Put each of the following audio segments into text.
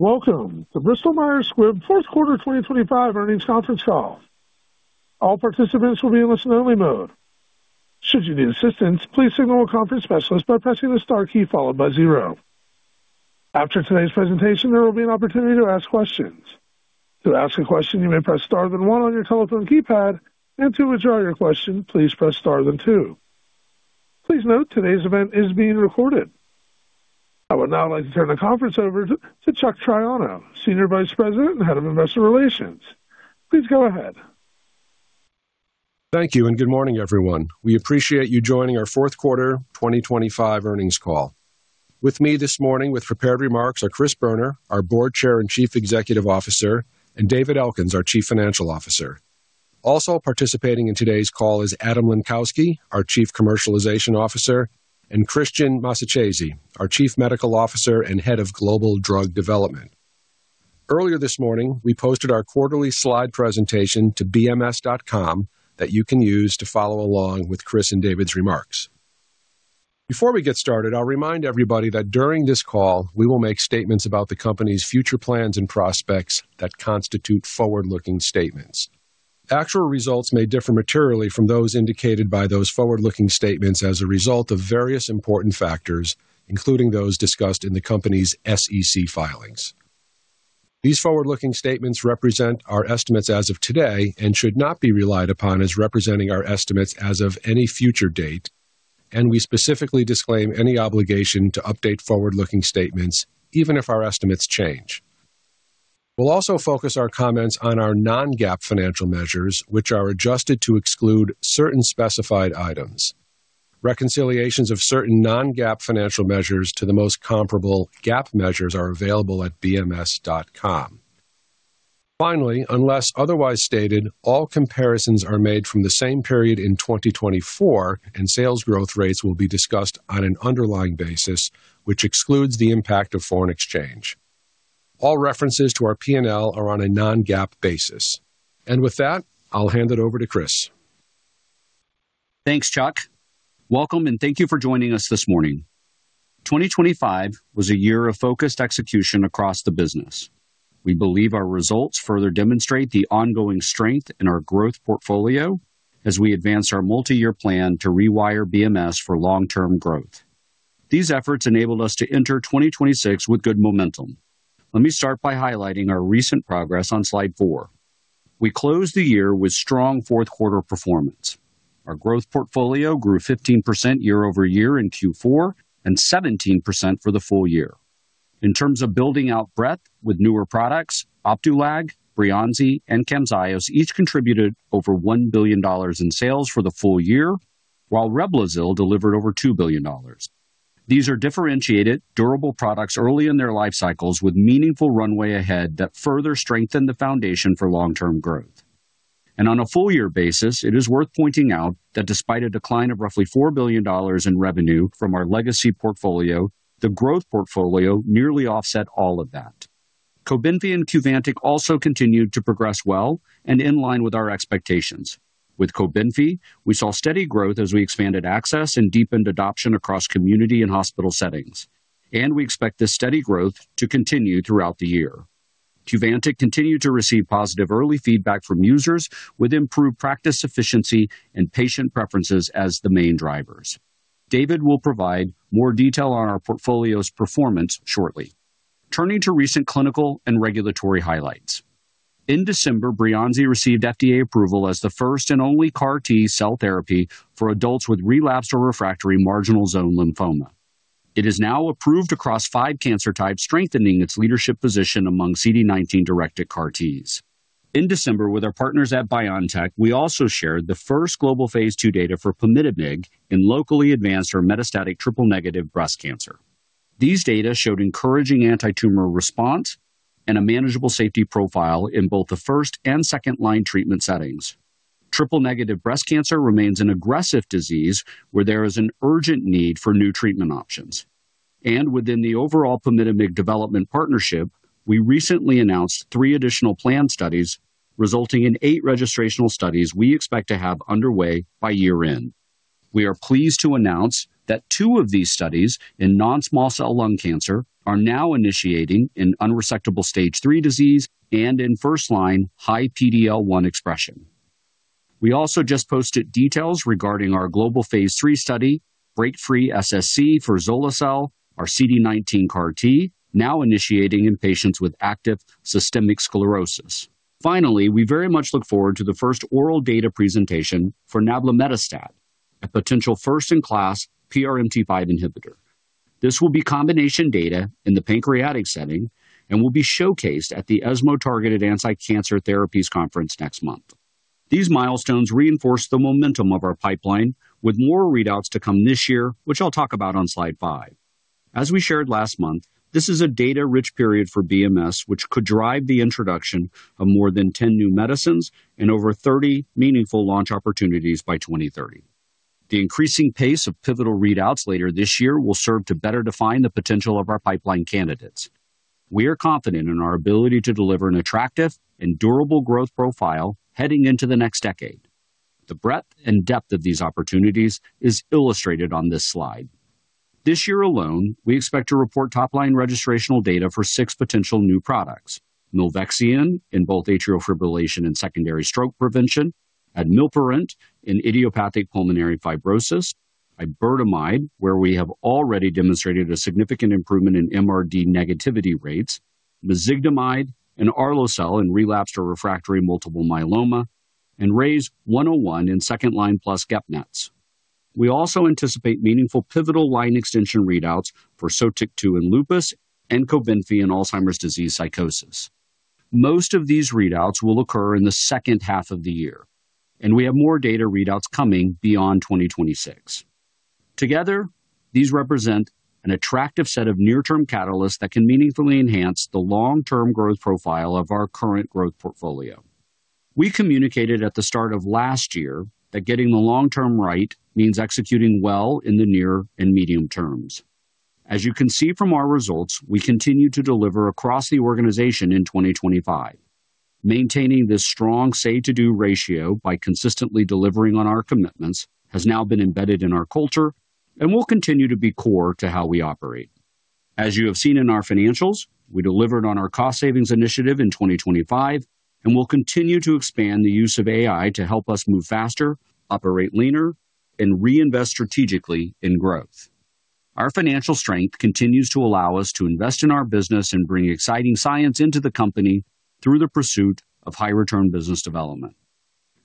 Welcome to Bristol Myers Squibb Fourth Quarter 2025 Earnings Conference Call. All participants will be in listen-only mode. Should you need assistance, please signal a conference specialist by pressing the star key followed by zero. After today's presentation, there will be an opportunity to ask questions. To ask a question, you may press star then one on your telephone keypad, and to withdraw your question, please press star then two. Please note, today's event is being recorded. I would now like to turn the conference over to Chuck Triano, Senior Vice President and Head of Investor Relations. Please go ahead. Thank you and good morning, everyone. We appreciate you joining our Fourth Quarter 2025 Earnings Call. With me this morning with prepared remarks are Chris Boerner, our Board Chair and Chief Executive Officer, and David Elkins, our Chief Financial Officer. Also participating in today's call is Adam Lenkowsky, our Chief Commercialization Officer, and Christian Massacesi, our Chief Medical Officer and Head of Global Drug Development. Earlier this morning, we posted our quarterly slide presentation to bms.com that you can use to follow along with Chris and David's remarks. Before we get started, I'll remind everybody that during this call, we will make statements about the company's future plans and prospects that constitute forward-looking statements. Actual results may differ materially from those indicated by those forward-looking statements as a result of various important factors, including those discussed in the company's SEC filings. These forward-looking statements represent our estimates as of today and should not be relied upon as representing our estimates as of any future date, and we specifically disclaim any obligation to update forward-looking statements even if our estimates change. We'll also focus our comments on our non-GAAP financial measures, which are adjusted to exclude certain specified items. Reconciliations of certain non-GAAP financial measures to the most comparable GAAP measures are available at bms.com. Finally, unless otherwise stated, all comparisons are made from the same period in 2024, and sales growth rates will be discussed on an underlying basis, which excludes the impact of foreign exchange. All references to our P&L are on a non-GAAP basis. With that, I'll hand it over to Chris. Thanks, Chuck. Welcome and thank you for joining us this morning. 2025 was a year of focused execution across the business. We believe our results further demonstrate the ongoing strength in our growth portfolio as we advance our multi-year plan to rewire BMS for long-term growth. These efforts enabled us to enter 2026 with good momentum. Let me start by highlighting our recent progress on slide four. We closed the year with strong fourth quarter performance. Our growth portfolio grew 15% year-over-year in Q4 and 17% for the full year. In terms of building out breadth with newer products, Opdualag, Breyanzi, and Camzyos each contributed over $1 billion in sales for the full year, while Reblozyl delivered over $2 billion. These are differentiated, durable products early in their life cycles with meaningful runway ahead that further strengthen the foundation for long-term growth. On a full-year basis, it is worth pointing out that despite a decline of roughly $4 billion in revenue from our legacy portfolio, the growth portfolio nearly offset all of that. Cobenfy and Opdivo Subcutaneous also continued to progress well and in line with our expectations. With Cobenfy, we saw steady growth as we expanded access and deepened adoption across community and hospital settings, and we expect this steady growth to continue throughout the year. Opdivo Subcutaneous continued to receive positive early feedback from users with improved practice efficiency and patient preferences as the main drivers. David will provide more detail on our portfolio's performance shortly. Turning to recent clinical and regulatory highlights. In December, Breyanzi received FDA approval as the first and only CAR-T cell therapy for adults with relapsed or refractory marginal zone lymphoma. It is now approved across five cancer types, strengthening its leadership position among CD19-directed CAR-Ts. In December, with our partners at BioNTech, we also shared the first global phase II data for [Pemidomig] in locally advanced or metastatic triple-negative breast cancer. These data showed encouraging antitumor response and a manageable safety profile in both the first- and second-line treatment settings. Triple-negative breast cancer remains an aggressive disease where there is an urgent need for new treatment options. And within the overall [Pemidomig] development partnership, we recently announced three additional planned studies, resulting in eight registrational studies we expect to have underway by year-end. We are pleased to announce that two of these studies in non-small cell lung cancer are now initiating in unresectable stage III disease and in first-line high PD-L1 expression. We also just posted details regarding our global phase III study, Break Free SSC for liso-cel, our CD19 CAR-T now initiating in patients with active systemic sclerosis. Finally, we very much look forward to the first oral data presentation for [Nabla Metastat], a potential first-in-class PRMT5 inhibitor. This will be combination data in the pancreatic setting and will be showcased at the ESMO Targeted Anti-Cancer Therapies Conference next month. These milestones reinforce the momentum of our pipeline, with more readouts to come this year, which I'll talk about on slide five. As we shared last month, this is a data-rich period for BMS, which could drive the introduction of more than 10 new medicines and over 30 meaningful launch opportunities by 2030. The increasing pace of pivotal readouts later this year will serve to better define the potential of our pipeline candidates. We are confident in our ability to deliver an attractive and durable growth profile heading into the next decade. The breadth and depth of these opportunities is illustrated on this slide. This year alone, we expect to report top-line registrational data for six potential new products: milvexian in both atrial fibrillation and secondary stroke prevention, admilparant in idiopathic pulmonary fibrosis, Iberdomide where we have already demonstrated a significant improvement in MRD negativity rates, Mezigdomide and BMS-986393 in relapsed or refractory multiple myeloma, and RYZ101 in second-line plus GEP-NETs. We also anticipate meaningful pivotal line extension readouts for Sotyktu in lupus and Cobenfy in Alzheimer's disease psychosis. Most of these readouts will occur in the second half of the year, and we have more data readouts coming beyond 2026. Together, these represent an attractive set of near-term catalysts that can meaningfully enhance the long-term growth profile of our current growth portfolio. We communicated at the start of last year that getting the long-term right means executing well in the near and medium terms. As you can see from our results, we continue to deliver across the organization in 2025. Maintaining this strong say-to-do ratio by consistently delivering on our commitments has now been embedded in our culture and will continue to be core to how we operate. As you have seen in our financials, we delivered on our cost-savings initiative in 2025, and we'll continue to expand the use of AI to help us move faster, operate leaner, and reinvest strategically in growth. Our financial strength continues to allow us to invest in our business and bring exciting science into the company through the pursuit of high-return business development.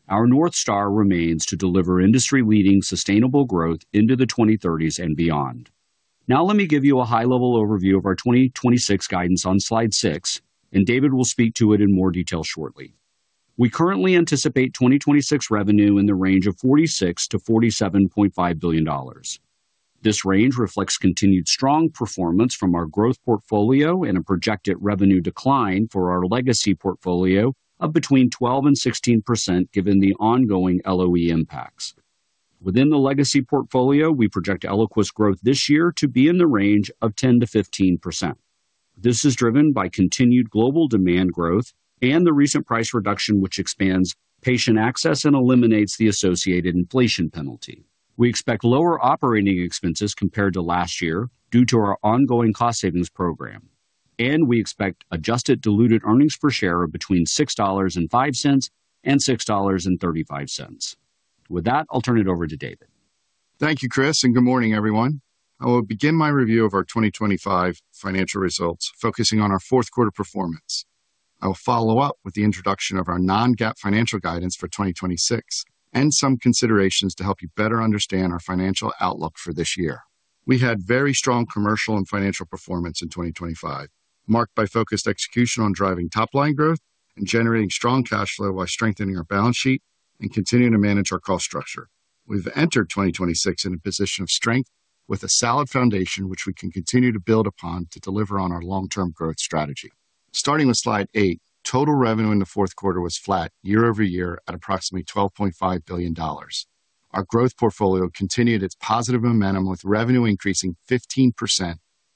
Our North Star remains to deliver industry-leading sustainable growth into the 2030s and beyond. Now let me give you a high-level overview of our 2026 guidance on slide six, and David will speak to it in more detail shortly. We currently anticipate 2026 revenue in the range of $46 billion-$47.5 billion. This range reflects continued strong performance from our growth portfolio and a projected revenue decline for our legacy portfolio of between 12%-16% given the ongoing LOE impacts. Within the legacy portfolio, we project Eliquis growth this year to be in the range of 10%-15%. This is driven by continued global demand growth and the recent price reduction, which expands patient access and eliminates the associated inflation penalty. We expect lower operating expenses compared to last year due to our ongoing cost-savings program, and we expect adjusted diluted earnings per share of between $6.05-$6.35. With that, I'll turn it over to David. Thank you, Chris, and good morning, everyone. I will begin my review of our 2025 financial results, focusing on our fourth quarter performance. I will follow up with the introduction of our non-GAAP financial guidance for 2026 and some considerations to help you better understand our financial outlook for this year. We had very strong commercial and financial performance in 2025, marked by focused execution on driving top-line growth and generating strong cash flow while strengthening our balance sheet and continuing to manage our cost structure. We've entered 2026 in a position of strength with a solid foundation, which we can continue to build upon to deliver on our long-term growth strategy. Starting with slide eight, total revenue in the fourth quarter was flat year-over-year at approximately $12.5 billion. Our growth portfolio continued its positive momentum with revenue increasing 15%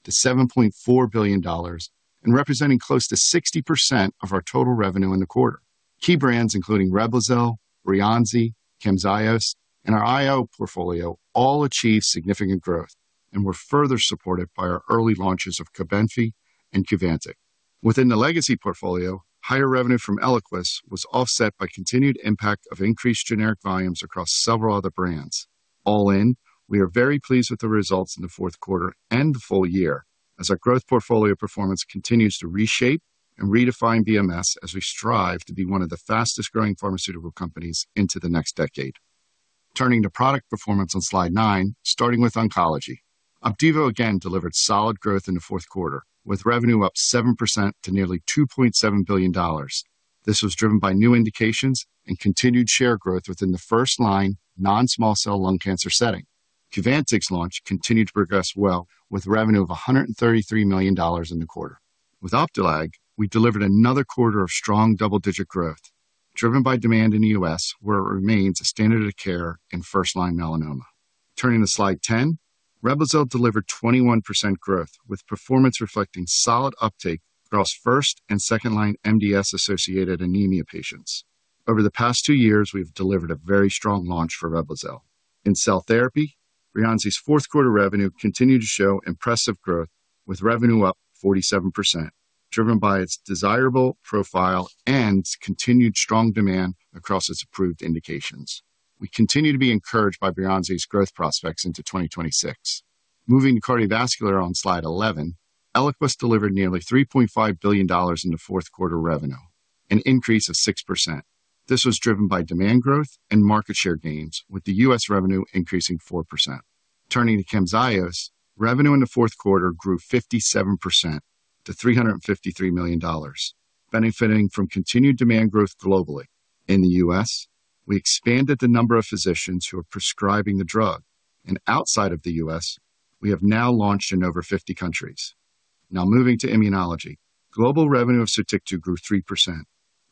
to $7.4 billion and representing close to 60% of our total revenue in the quarter. Key brands including Reblozyl, Breyanzi, Camzyos, and our IO portfolio all achieved significant growth and were further supported by our early launches of Cobenfy and Opdivo Subcutaneous. Within the legacy portfolio, higher revenue from Eliquis was offset by continued impact of increased generic volumes across several other brands. All in, we are very pleased with the results in the fourth quarter and the full year as our growth portfolio performance continues to reshape and redefine BMS as we strive to be one of the fastest-growing pharmaceutical companies into the next decade. Turning to product performance on slide nine, starting with oncology, Opdivo again delivered solid growth in the fourth quarter with revenue up 7% to nearly $2.7 billion. This was driven by new indications and continued share growth within the first-line non-small cell lung cancer setting. Opdivo Subcutaneous's launch continued to progress well with revenue of $133 million in the quarter. With Opdualag, we delivered another quarter of strong double-digit growth driven by demand in the U.S. where it remains a standard of care in first-line melanoma. Turning to slide 10, Reblozyl delivered 21% growth with performance reflecting solid uptake across first- and second-line MDS-associated anemia patients. Over the past two years, we've delivered a very strong launch for Reblozyl. In cell therapy, Breyanzi's fourth quarter revenue continued to show impressive growth with revenue up 47% driven by its desirable profile and continued strong demand across its approved indications. We continue to be encouraged by Breyanzi's growth prospects into 2026. Moving to cardiovascular on slide 11, Eliquis delivered nearly $3.5 billion in the fourth quarter revenue, an increase of 6%. This was driven by demand growth and market share gains, with the U.S. revenue increasing 4%. Turning to Camzyos, revenue in the fourth quarter grew 57% to $353 million, benefiting from continued demand growth globally. In the U.S., we expanded the number of physicians who are prescribing the drug, and outside of the U.S., we have now launched in over 50 countries. Now moving to immunology, global revenue of Sotyktu grew 3%.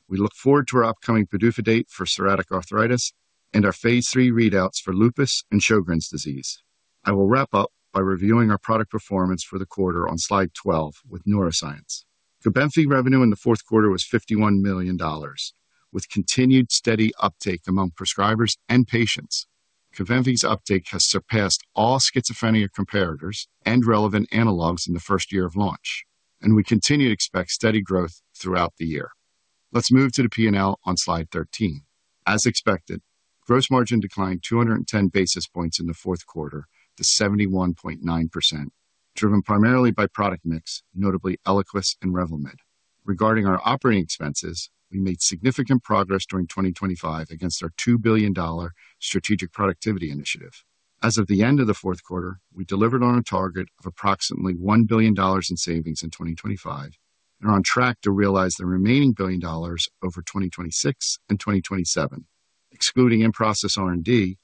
We look forward to our upcoming PDUFA date for psoriatic arthritis and our phase III readouts for lupus and Sjögren's disease. I will wrap up by reviewing our product performance for the quarter on slide 12 with neuroscience. Cobenfy revenue in the fourth quarter was $51 million, with continued steady uptake among prescribers and patients. Cobenfy's uptake has surpassed all schizophrenia comparators and relevant analogs in the first year of launch, and we continue to expect steady growth throughout the year. Let's move to the P&L on slide 13. As expected, gross margin declined 210 basis points in the fourth quarter to 71.9%, driven primarily by product mix, notably Eliquis and Revlimid. Regarding our operating expenses, we made significant progress during 2025 against our $2 billion strategic productivity initiative. As of the end of the fourth quarter, we delivered on a target of approximately $1 billion in savings in 2025 and are on track to realize the remaining $1 billion over 2026 and 2027. Excluding in-process R&D,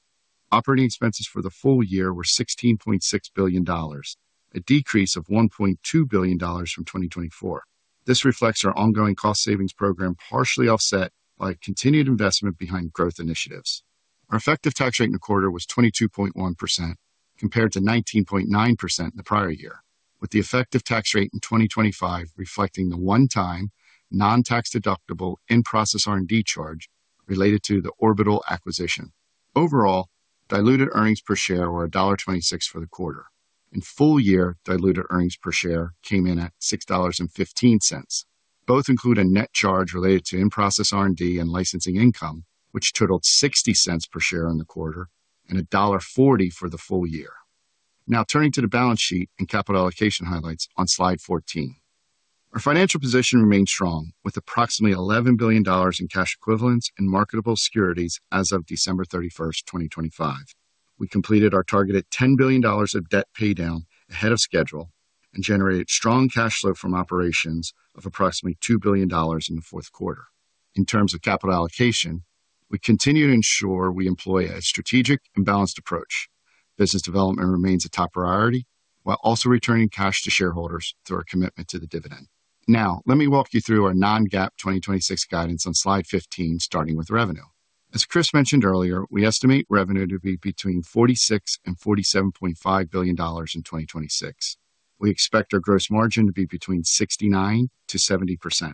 operating expenses for the full year were $16.6 billion, a decrease of $1.2 billion from 2024. This reflects our ongoing cost-savings program partially offset by continued investment behind growth initiatives. Our effective tax rate in the quarter was 22.1% compared to 19.9% in the prior year, with the effective tax rate in 2025 reflecting the one-time non-tax deductible in-process R&D charge related to the Orbital acquisition. Overall, diluted earnings per share were $1.26 for the quarter. In full year, diluted earnings per share came in at $6.15. Both include a net charge related to in-process R&D and licensing income, which totaled $0.60 per share in the quarter and $1.40 for the full year. Now turning to the balance sheet and capital allocation highlights on slide 14. Our financial position remained strong, with approximately $11 billion in cash equivalents and marketable securities as of December 31, 2025. We completed our targeted $10 billion of debt paydown ahead of schedule and generated strong cash flow from operations of approximately $2 billion in the fourth quarter. In terms of capital allocation, we continue to ensure we employ a strategic and balanced approach. Business development remains a top priority while also returning cash to shareholders through our commitment to the dividend. Now let me walk you through our non-GAAP 2026 guidance on slide 15, starting with revenue. As Chris mentioned earlier, we estimate revenue to be between $46-$47.5 billion in 2026. We expect our gross margin to be between 69%-70%.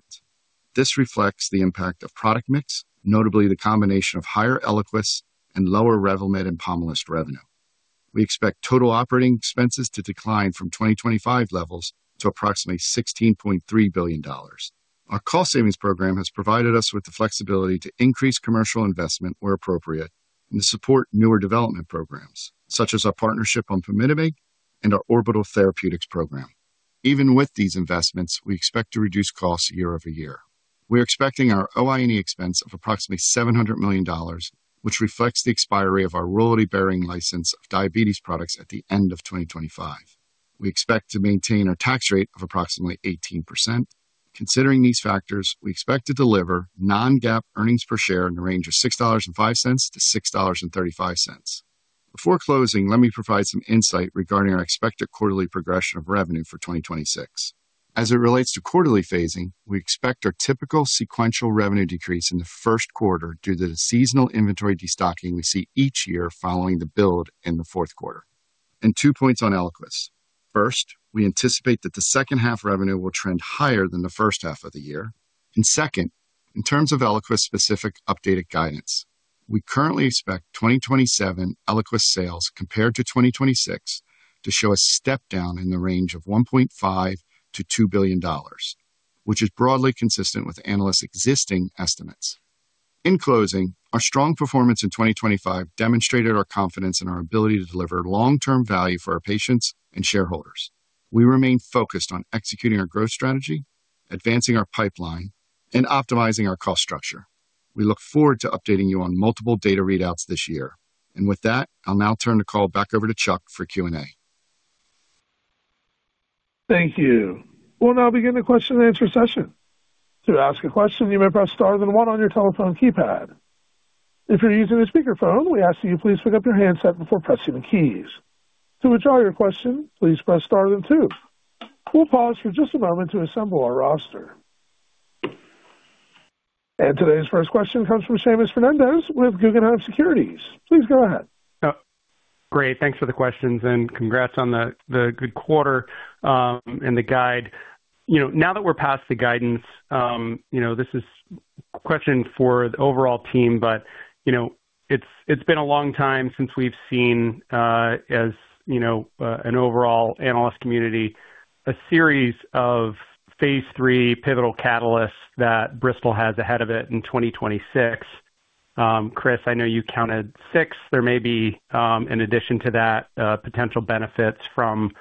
This reflects the impact of product mix, notably the combination of higher Eliquis and lower Revlimid and Pomalyst revenue. We expect total operating expenses to decline from 2025 levels to approximately $16.3 billion. Our cost-savings program has provided us with the flexibility to increase commercial investment where appropriate and to support newer development programs such as our partnership on Pemidomig and our Orbital Therapeutics program. Even with these investments, we expect to reduce costs year-over-year. We are expecting our OI&E expense of approximately $700 million, which reflects the expiry of our royalty-bearing license of diabetes products at the end of 2025. We expect to maintain our tax rate of approximately 18%. Considering these factors, we expect to deliver non-GAAP earnings per share in the range of $6.05-$6.35. Before closing, let me provide some insight regarding our expected quarterly progression of revenue for 2026. As it relates to quarterly phasing, we expect our typical sequential revenue decrease in the first quarter due to the seasonal inventory destocking we see each year following the build in the fourth quarter. And two points on Eliquis. First, we anticipate that the second half revenue will trend higher than the first half of the year. And second, in terms of Eliquis-specific updated guidance, we currently expect 2027 Eliquis sales compared to 2026 to show a step down in the range of $1.5-$2 billion, which is broadly consistent with analysts' existing estimates. In closing, our strong performance in 2025 demonstrated our confidence in our ability to deliver long-term value for our patients and shareholders. We remain focused on executing our growth strategy, advancing our pipeline, and optimizing our cost structure. We look forward to updating you on multiple data readouts this year. With that, I'll now turn the call back over to Chuck for Q&A. Thank you. We'll now begin the question-and-answer session. To ask a question, you may press star then one on your telephone keypad. If you're using a speakerphone, we ask that you please pick up your handset before pressing the keys. To withdraw your question, please press star then two. We'll pause for just a moment to assemble our roster. Today's first question comes from Seamus Fernandez with Guggenheim Securities. Please go ahead. Yeah. Great. Thanks for the questions and congrats on the good quarter and the guide. Now that we're past the guidance, this is a question for the overall team, but it's been a long time since we've seen, as an overall analyst community, a series of phase III pivotal catalysts that Bristol has ahead of it in 2026. Chris, I know you counted six. There may be, in addition to that, potential benefits from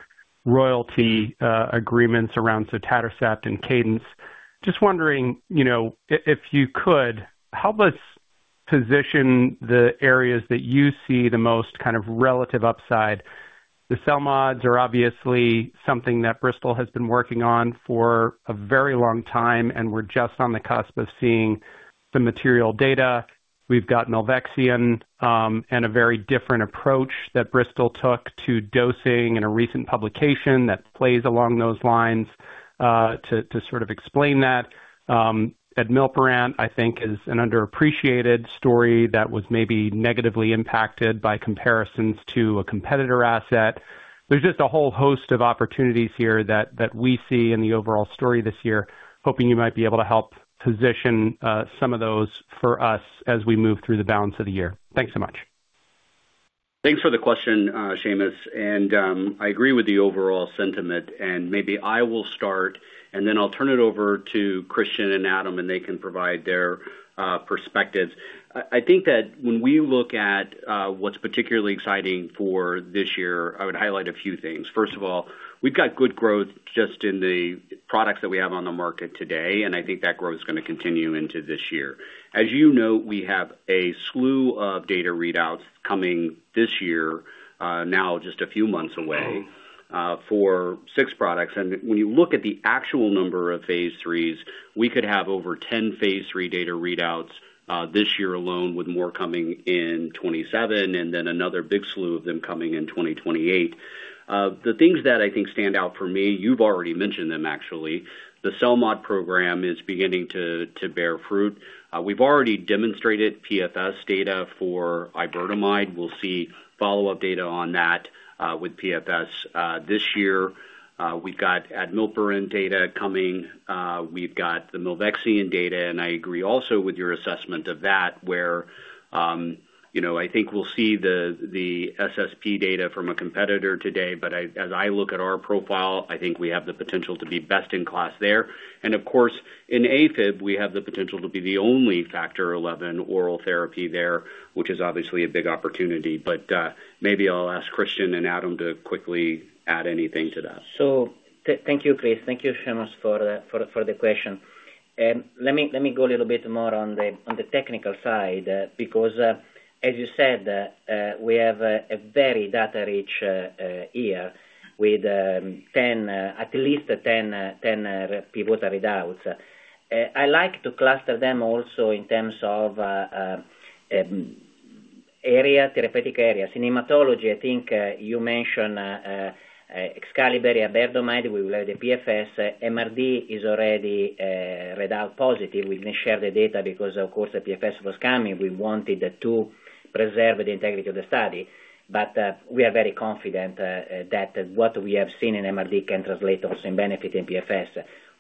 royalty agreements around Sotatercept and Cadence. Just wondering, if you could, help us position the areas that you see the most kind of relative upside. The CELMoDs are obviously something that Bristol has been working on for a very long time, and we're just on the cusp of seeing some material data. We've got Milvexian and a very different approach that Bristol took to dosing in a recent publication that plays along those lines to sort of explain that. Admilparant, I think, is an underappreciated story that was maybe negatively impacted by comparisons to a competitor asset. There's just a whole host of opportunities here that we see in the overall story this year. Hoping you might be able to help position some of those for us as we move through the balance of the year. Thanks so much. Thanks for the question, Seamus. I agree with the overall sentiment. Maybe I will start, and then I'll turn it over to Christian and Adam, and they can provide their perspectives. I think that when we look at what's particularly exciting for this year, I would highlight a few things. First of all, we've got good growth just in the products that we have on the market today, and I think that growth is going to continue into this year. As you know, we have a slew of data readouts coming this year, now just a few months away, for six products. When you look at the actual number of phase IIIs, we could have over 10 phase III data readouts this year alone, with more coming in 2027 and then another big slew of them coming in 2028. The things that I think stand out for me, you've already mentioned them, actually, the CELMoD program is beginning to bear fruit. We've already demonstrated PFS data for Iberdomide. We'll see follow-up data on that with PFS this year. We've got admilparant data coming. We've got the Milvexian data. And I agree also with your assessment of that, where I think we'll see the SSP data from a competitor today. But as I look at our profile, I think we have the potential to be best in class there. And of course, in AFib, we have the potential to be the only factor XI oral therapy there, which is obviously a big opportunity. But maybe I'll ask Christian and Adam to quickly add anything to that. So thank you, Chris. Thank you, Seamus, for the question. Let me go a little bit more on the technical side because, as you said, we have a very data-rich year with at least 10 pivotal readouts. I like to cluster them also in terms of area, therapeutic areas. In hematology, I think you mentioned the CELMoDs and Iberdomide. We will have the PFS. MRD is already readout positive. We didn't share the data because, of course, the PFS was coming. We wanted to preserve the integrity of the study. But we are very confident that what we have seen in MRD can translate also in benefit in PFS.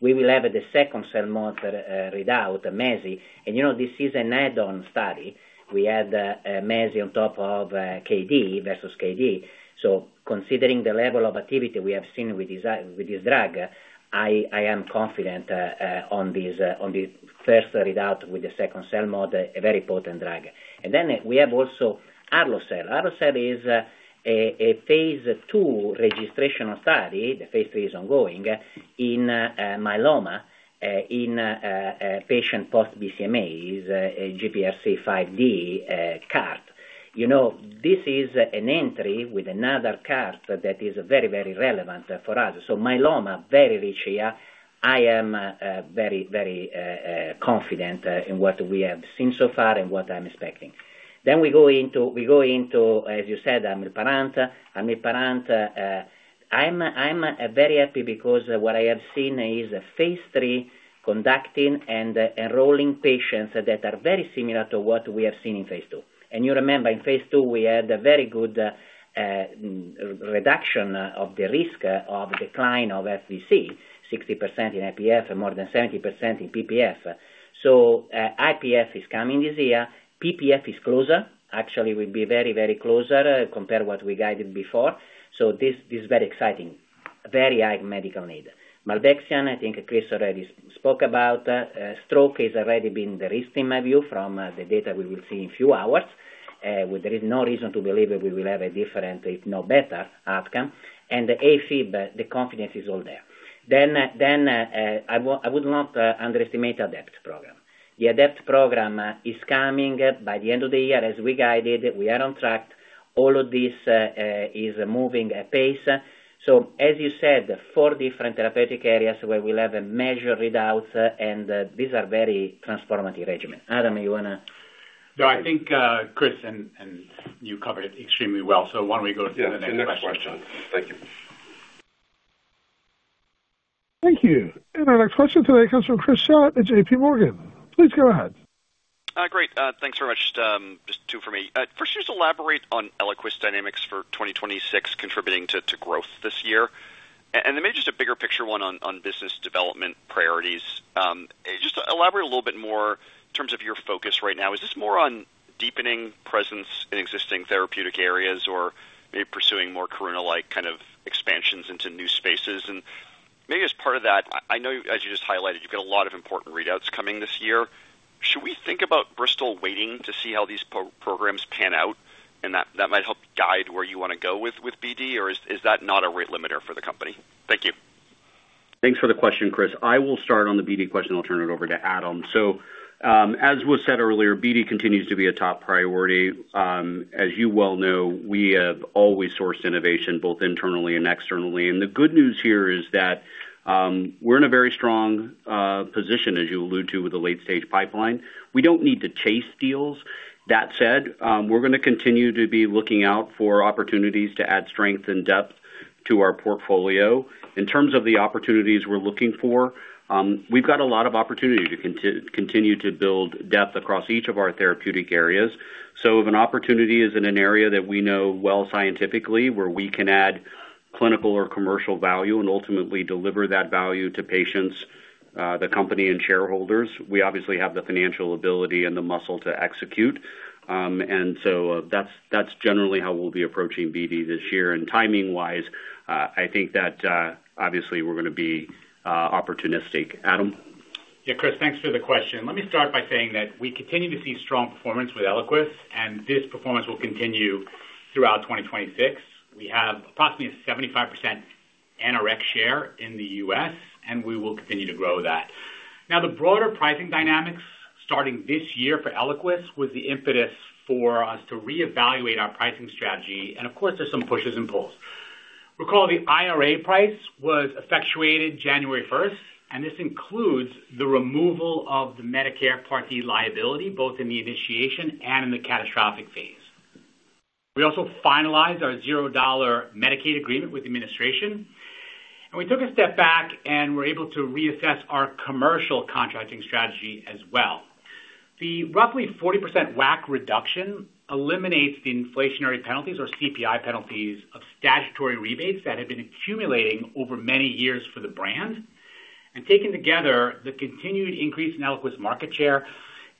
We will have the second CELMoD readout, Mezi. And this is an add-on study. We had Mezi on top of KD versus KD. So considering the level of activity we have seen with this drug, I am confident on the first readout with the second CELMoD, a very potent drug. And then we have also Arlocel. Arlocel is a phase II registration study. The phase III is ongoing in myeloma in patients post-BCMA, GPRC5D CAR-T. This is an entry with another CAR-T that is very, very relevant for us. So myeloma, very rich here. I am very, very confident in what we have seen so far and what I'm expecting. Then we go into, as you said, admilparant. Admilparant, I'm very happy because what I have seen is phase III conducting and enrolling patients that are very similar to what we have seen in phase II. And you remember, in phase II, we had a very good reduction of the risk of decline of FVC, 60% in IPF and more than 70% in PPF. So IPF is coming this year. PPF is closer. Actually, we'll be very, very closer compared to what we guided before. So this is very exciting, very high medical need. Milvexian, I think Chris already spoke about. Stroke has already been the risk in my view from the data we will see in a few hours. There is no reason to believe we will have a different, if not better, outcome. And AFib, the confidence is all there. Then I would not underestimate ADC program. The ADC program is coming by the end of the year as we guided. We are on track. All of this is moving at pace. So as you said, four different therapeutic areas where we'll have major readouts, and these are very transformative regimens. Adam, you want to? No, I think Chris and you covered it extremely well. So why don't we go to the next question? Yeah, next question. Thank you. Thank you. Our next question today comes from Chris Schott at J.P. Morgan. Please go ahead. Great. Thanks very much. Just two for me. First, just elaborate on Eliquis dynamics for 2026 contributing to growth this year. And then maybe just a bigger picture one on business development priorities. Just elaborate a little bit more in terms of your focus right now. Is this more on deepening presence in existing therapeutic areas or maybe pursuing more corona-like kind of expansions into new spaces? And maybe as part of that, I know as you just highlighted, you've got a lot of important readouts coming this year. Should we think about Bristol waiting to see how these programs pan out? And that might help guide where you want to go with BD, or is that not a rate limiter for the company? Thank you. Thanks for the question, Chris. I will start on the BD question. I'll turn it over to Adam. So as was said earlier, BD continues to be a top priority. As you well know, we have always sourced innovation both internally and externally. And the good news here is that we're in a very strong position, as you alluded to, with the late-stage pipeline. We don't need to chase deals. That said, we're going to continue to be looking out for opportunities to add strength and depth to our portfolio. In terms of the opportunities we're looking for, we've got a lot of opportunity to continue to build depth across each of our therapeutic areas. So if an opportunity is in an area that we know well scientifically where we can add clinical or commercial value and ultimately deliver that value to patients, the company, and shareholders, we obviously have the financial ability and the muscle to execute. And so that's generally how we'll be approaching BD this year. And timing-wise, I think that obviously, we're going to be opportunistic. Adam? Yeah, Chris, thanks for the question. Let me start by saying that we continue to see strong performance with Eliquis, and this performance will continue throughout 2026. We have approximately a 75% apixaban share in the U.S., and we will continue to grow that. Now, the broader pricing dynamics starting this year for Eliquis was the impetus for us to reevaluate our pricing strategy. And of course, there's some pushes and pulls. Recall, the IRA price was effectuated January 1st, and this includes the removal of the Medicare Part D liability both in the initiation and in the catastrophic phase. We also finalized our $0 Medicaid agreement with the administration. And we took a step back, and we're able to reassess our commercial contracting strategy as well. The roughly 40% WAC reduction eliminates the inflationary penalties or CPI penalties of statutory rebates that had been accumulating over many years for the brand. And taken together, the continued increase in Eliquis market share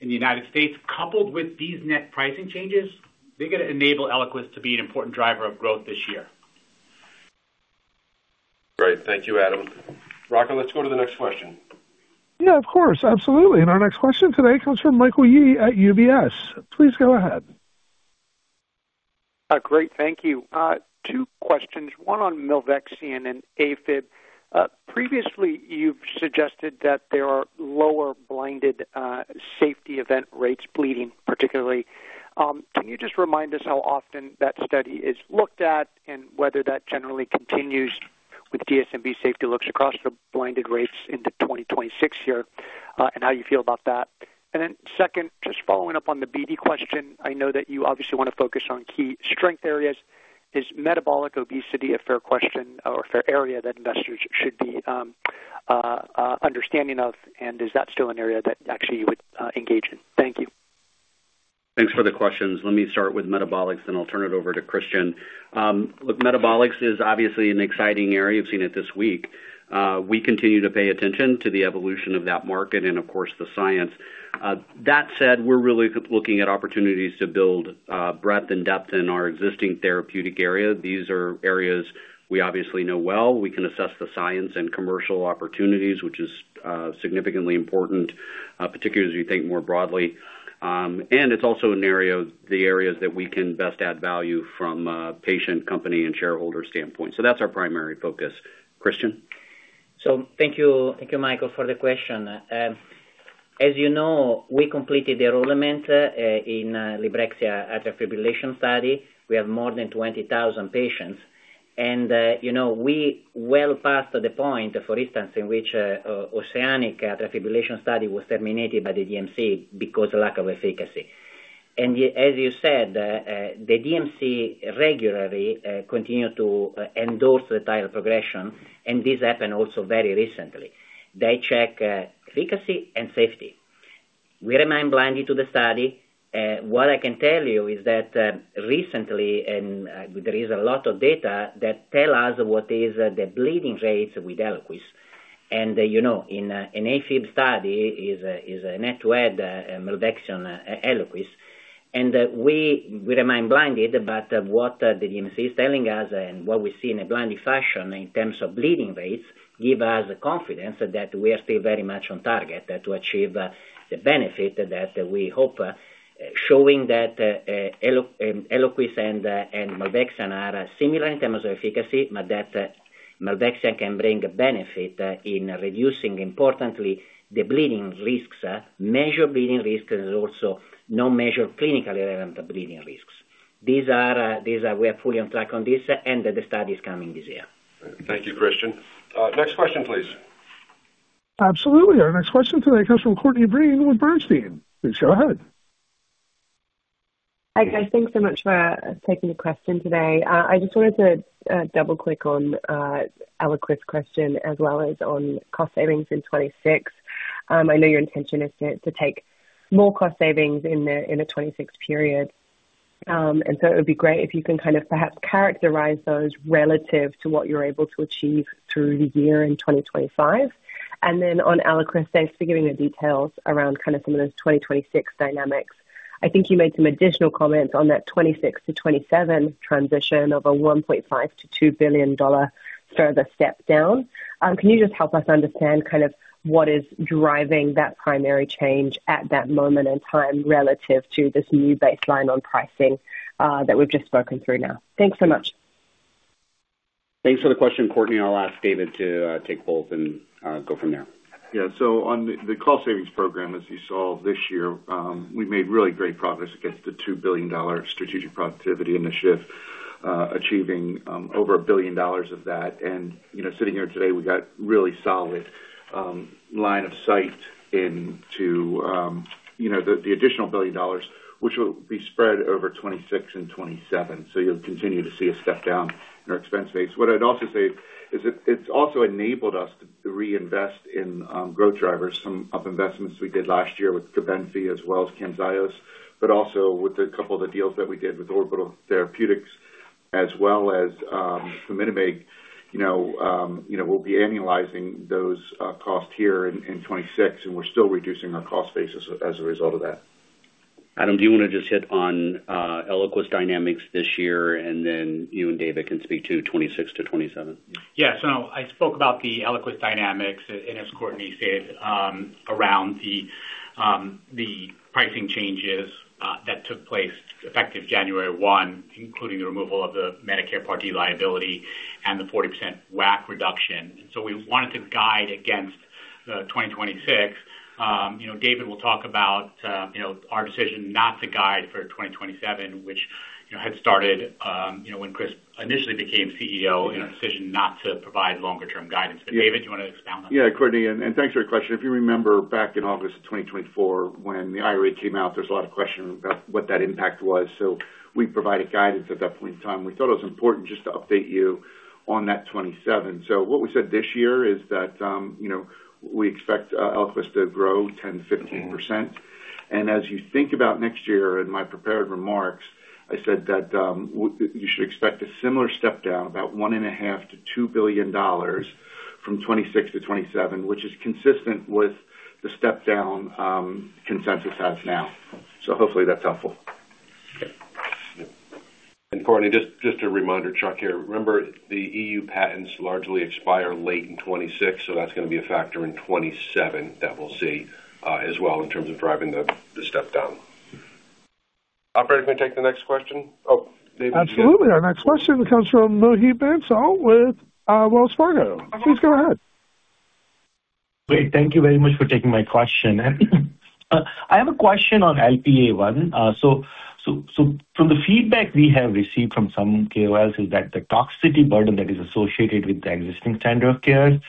in the United States, coupled with these net pricing changes, they're going to enable Eliquis to be an important driver of growth this year. Great. Thank you, Adam. Rocka, let's go to the next question. Yeah, of course. Absolutely. And our next question today comes from Michael Yee at UBS. Please go ahead. Great. Thank you. Two questions, one on Milvexian and AFib. Previously, you've suggested that there are lower blinded safety event rates, bleeding particularly. Can you just remind us how often that study is looked at and whether that generally continues with DSMB safety looks across the blinded rates into 2026 here and how you feel about that? And then second, just following up on the BD question, I know that you obviously want to focus on key strength areas. Is metabolic obesity a fair question or a fair area that investors should be understanding of? And is that still an area that actually you would engage in? Thank you. Thanks for the questions. Let me start with metabolics, then I'll turn it over to Christian. Look, metabolics is obviously an exciting area. You've seen it this week. We continue to pay attention to the evolution of that market and, of course, the science. That said, we're really looking at opportunities to build breadth and depth in our existing therapeutic area. These are areas we obviously know well. We can assess the science and commercial opportunities, which is significantly important, particularly as we think more broadly. And it's also the areas that we can best add value from a patient, company, and shareholder standpoint. So that's our primary focus. Christian? So thank you, Michael, for the question. As you know, we completed the enrollment in Milvexian atrial fibrillation study. We have more than 20,000 patients. We are well past the point, for instance, in which Oceanic atrial fibrillation study was terminated by the DMC because of lack of efficacy. And as you said, the DMC regularly continues to endorse the trial progression, and this happened also very recently. They check efficacy and safety. We remain blinded to the study. What I can tell you is that recently, there is a lot of data that tells us what is the bleeding rates with Eliquis. And in an AFib study, it's a net to add Milvexian Eliquis. We remain blinded, but what the DMC is telling us and what we see in a blinded fashion in terms of bleeding rates gives us confidence that we are still very much on target to achieve the benefit that we hope, showing that Eliquis and Milvexian are similar in terms of efficacy, but that Milvexian can bring benefit in reducing, importantly, the bleeding risks, measured bleeding risks, and also non-measured clinically relevant bleeding risks. We are fully on track on this, and the study is coming this year. Thank you, Christian. Next question, please. Absolutely. Our next question today comes from Courtney Breen with Bernstein. Please go ahead. Hi, Chris. Thanks so much for taking the question today. I just wanted to double-click on Eliquis' question as well as on cost savings in 2026. I know your intention is to take more cost savings in the 2026 period. And so it would be great if you can kind of perhaps characterize those relative to what you're able to achieve through the year in 2025. And then on Eliquis, thanks for giving the details around kind of some of those 2026 dynamics. I think you made some additional comments on that 2026 to 2027 transition of a $1.5 billion-$2 billion further step down. Can you just help us understand kind of what is driving that primary change at that moment in time relative to this new baseline on pricing that we've just spoken through now? Thanks so much. Thanks for the question, Courtney. I'll ask David to take both and go from there. Yeah. So on the cost savings program, as you saw this year, we made really great progress against the $2 billion strategic productivity initiative, achieving over $1 billion of that. And sitting here today, we got a really solid line of sight into the additional $1 billion, which will be spread over 2026 and 2027. So you'll continue to see a step down in our expense base. What I'd also say is it's also enabled us to reinvest in growth drivers, some of the investments we did last year with Cobenfy as well as Camzyos, but also with a couple of the deals that we did with Orbital Therapeutics as well as [Fumitomab]. We'll be annualizing those costs here in 2026, and we're still reducing our cost basis as a result of that. Adam, do you want to just hit on Eliquis dynamics this year, and then you and David can speak to 2026 to 2027? Yeah. So I spoke about the Eliquis dynamics, and as Courtney stated, around the pricing changes that took place effective January 1, including the removal of the Medicare Part D liability and the 40% WAC reduction. So we wanted to guide against 2026. David will talk about our decision not to guide for 2027, which had started when Chris initially became CEO, and our decision not to provide longer-term guidance. But David, do you want to expound on that? Yeah, Courtney. And thanks for your question. If you remember, back in August of 2024, when the IRA came out, there was a lot of question about what that impact was. So we provided guidance at that point in time. We thought it was important just to update you on that 2027. So what we said this year is that we expect Eliquis to grow 10%-15%. And as you think about next year in my prepared remarks, I said that you should expect a similar step down, about $1.5-$2 billion from 2026 to 2027, which is consistent with the step-down consensus has now. So hopefully, that's helpful. Courtney, just a reminder, Chuck here. Remember, the EU patents largely expire late in 2026, so that's going to be a factor in 2027 that we'll see as well in terms of driving the step-down. Operator, can we take the next question? Oh, David. Absolutely. Our next question comes from Mohit Bansal with Wells Fargo. Please go ahead. Great. Thank you very much for taking my question. I have a question on LPA-1. So from the feedback we have received from some KOLs, is that the toxicity burden that is associated with the existing standard of care,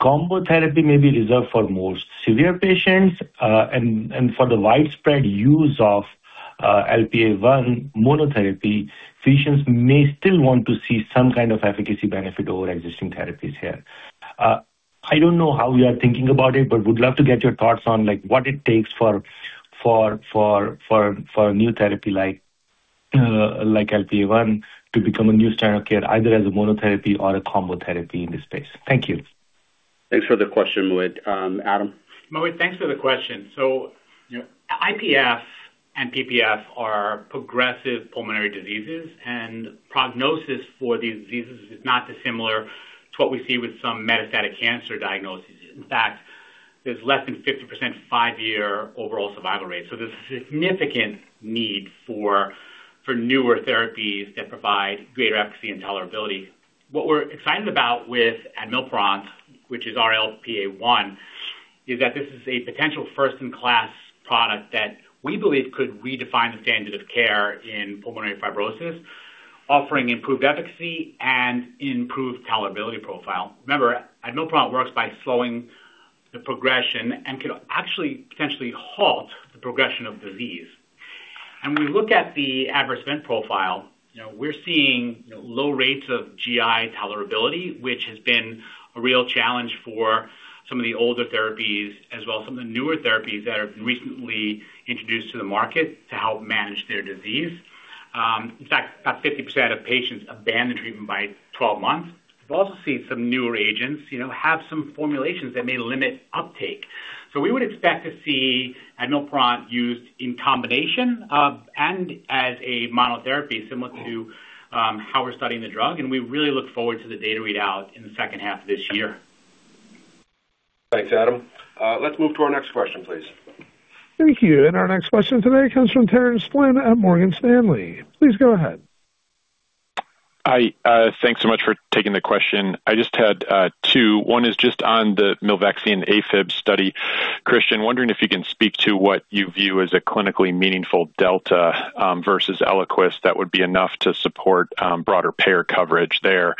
combo therapy may be reserved for more severe patients. And for the widespread use of LPA-1 monotherapy, patients may still want to see some kind of efficacy benefit over existing therapies here. I don't know how you are thinking about it, but would love to get your thoughts on what it takes for a new therapy like LPA-1 to become a new standard of care, either as a monotherapy or a combo therapy in this space. Thank you. Thanks for the question, Mohit. Adam? Mohit, thanks for the question. So IPF and PPF are progressive pulmonary diseases, and prognosis for these diseases is not dissimilar to what we see with some metastatic cancer diagnoses. In fact, there's less than 50% five-year overall survival rate. So there's a significant need for newer therapies that provide greater efficacy and tolerability. What we're excited about with admilparant, which is our LPA-1, is that this is a potential first-in-class product that we believe could redefine the standard of care in pulmonary fibrosis, offering improved efficacy and improved tolerability profile. Remember, admilparant works by slowing the progression and could actually potentially halt the progression of disease. And when we look at the adverse event profile, we're seeing low rates of GI tolerability, which has been a real challenge for some of the older therapies as well as some of the newer therapies that have been recently introduced to the market to help manage their disease. In fact, about 50% of patients abandon treatment by 12 months. We've also seen some newer agents have some formulations that may limit uptake. So we would expect to see Admilparant used in combination and as a monotherapy, similar to how we're studying the drug. And we really look forward to the data readout in the second half of this year. Thanks, Adam. Let's move to our next question, please. Thank you. Our next question today comes from Terence Flynn at Morgan Stanley. Please go ahead. Thanks so much for taking the question. I just had two. One is just on the Milvexian AFib study. Christian, wondering if you can speak to what you view as a clinically meaningful delta versus Eliquis that would be enough to support broader payer coverage there.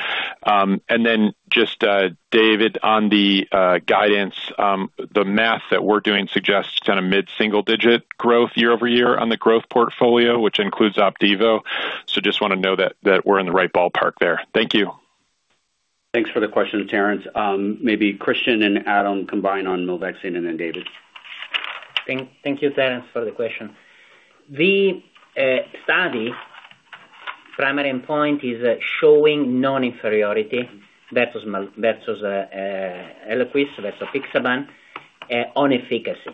And then just David, on the guidance, the math that we're doing suggests kind of mid-single-digit growth year-over-year on the growth portfolio, which includes Opdivo. So just want to know that we're in the right ballpark there. Thank you. Thanks for the question, Terence. Maybe Christian and Adam combine on Milvexian and then David. Thank you, Terence, for the question. The study's primary point is showing non-inferiority versus Eliquis, versus apixaban, on efficacy.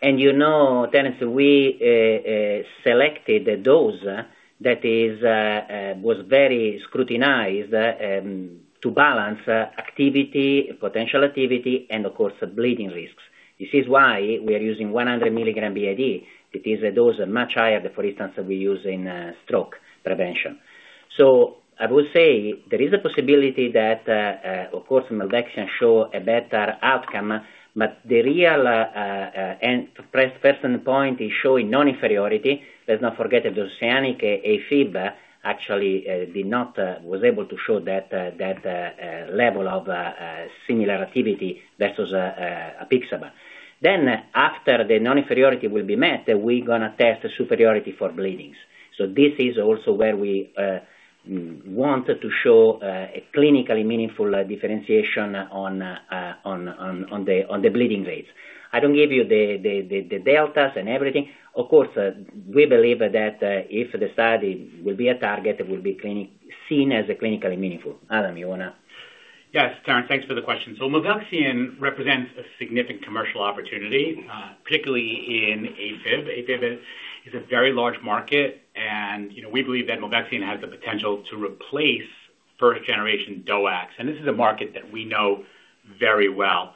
And Terence, we selected a dose that was very scrutinized to balance potential activity and, of course, bleeding risks. This is why we are using 100 mg b.i.d. It is a dose much higher than, for instance, we use in stroke prevention. So I would say there is a possibility that, of course, Milvexian show a better outcome, but the real first point is showing non-inferiority. Let's not forget that OCEANIC AFib actually was able to show that level of similar activity versus apixaban. Then after the non-inferiority will be met, we're going to test superiority for bleedings. So this is also where we want to show a clinically meaningful differentiation on the bleeding rates. I don't give you the deltas and everything. Of course, we believe that if the study will be a target, it will be seen as clinically meaningful. Adam, you want to? Yes, Terence. Thanks for the question. So Milvexian represents a significant commercial opportunity, particularly in AFib. AFib is a very large market, and we believe that Milvexian has the potential to replace first-generation DOACs. And this is a market that we know very well.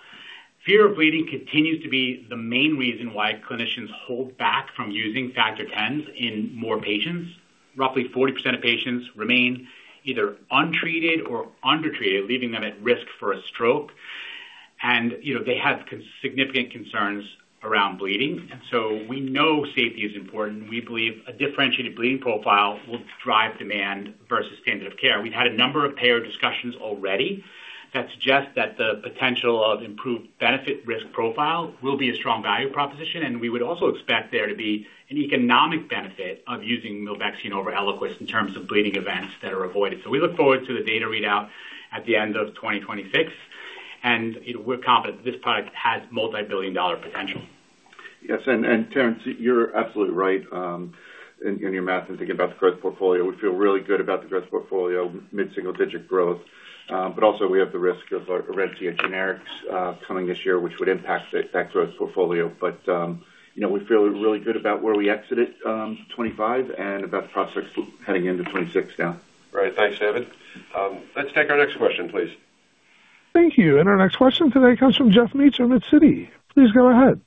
Fear of bleeding continues to be the main reason why clinicians hold back from using Factor XI in more patients. Roughly 40% of patients remain either untreated or undertreated, leaving them at risk for a stroke. And they have significant concerns around bleeding. And so we know safety is important. We believe a differentiated bleeding profile will drive demand versus standard of care. We've had a number of payer discussions already that suggest that the potential of improved benefit-risk profile will be a strong value proposition. We would also expect there to be an economic benefit of using Milvexian over Eliquis in terms of bleeding events that are avoided. So we look forward to the data readout at the end of 2026. And we're confident that this product has multi-billion dollar potential. Yes. And Terence, you're absolutely right in your math and thinking about the growth portfolio. We feel really good about the growth portfolio, mid-single-digit growth. But also, we have the risk of Orencia generics coming this year, which would impact that growth portfolio. But we feel really good about where we exited 2025 and about the prospects heading into 2026 now. Great. Thanks, David. Let's take our next question, please. Thank you. Our next question today comes from Geoff Meacham of Citi. Please go ahead.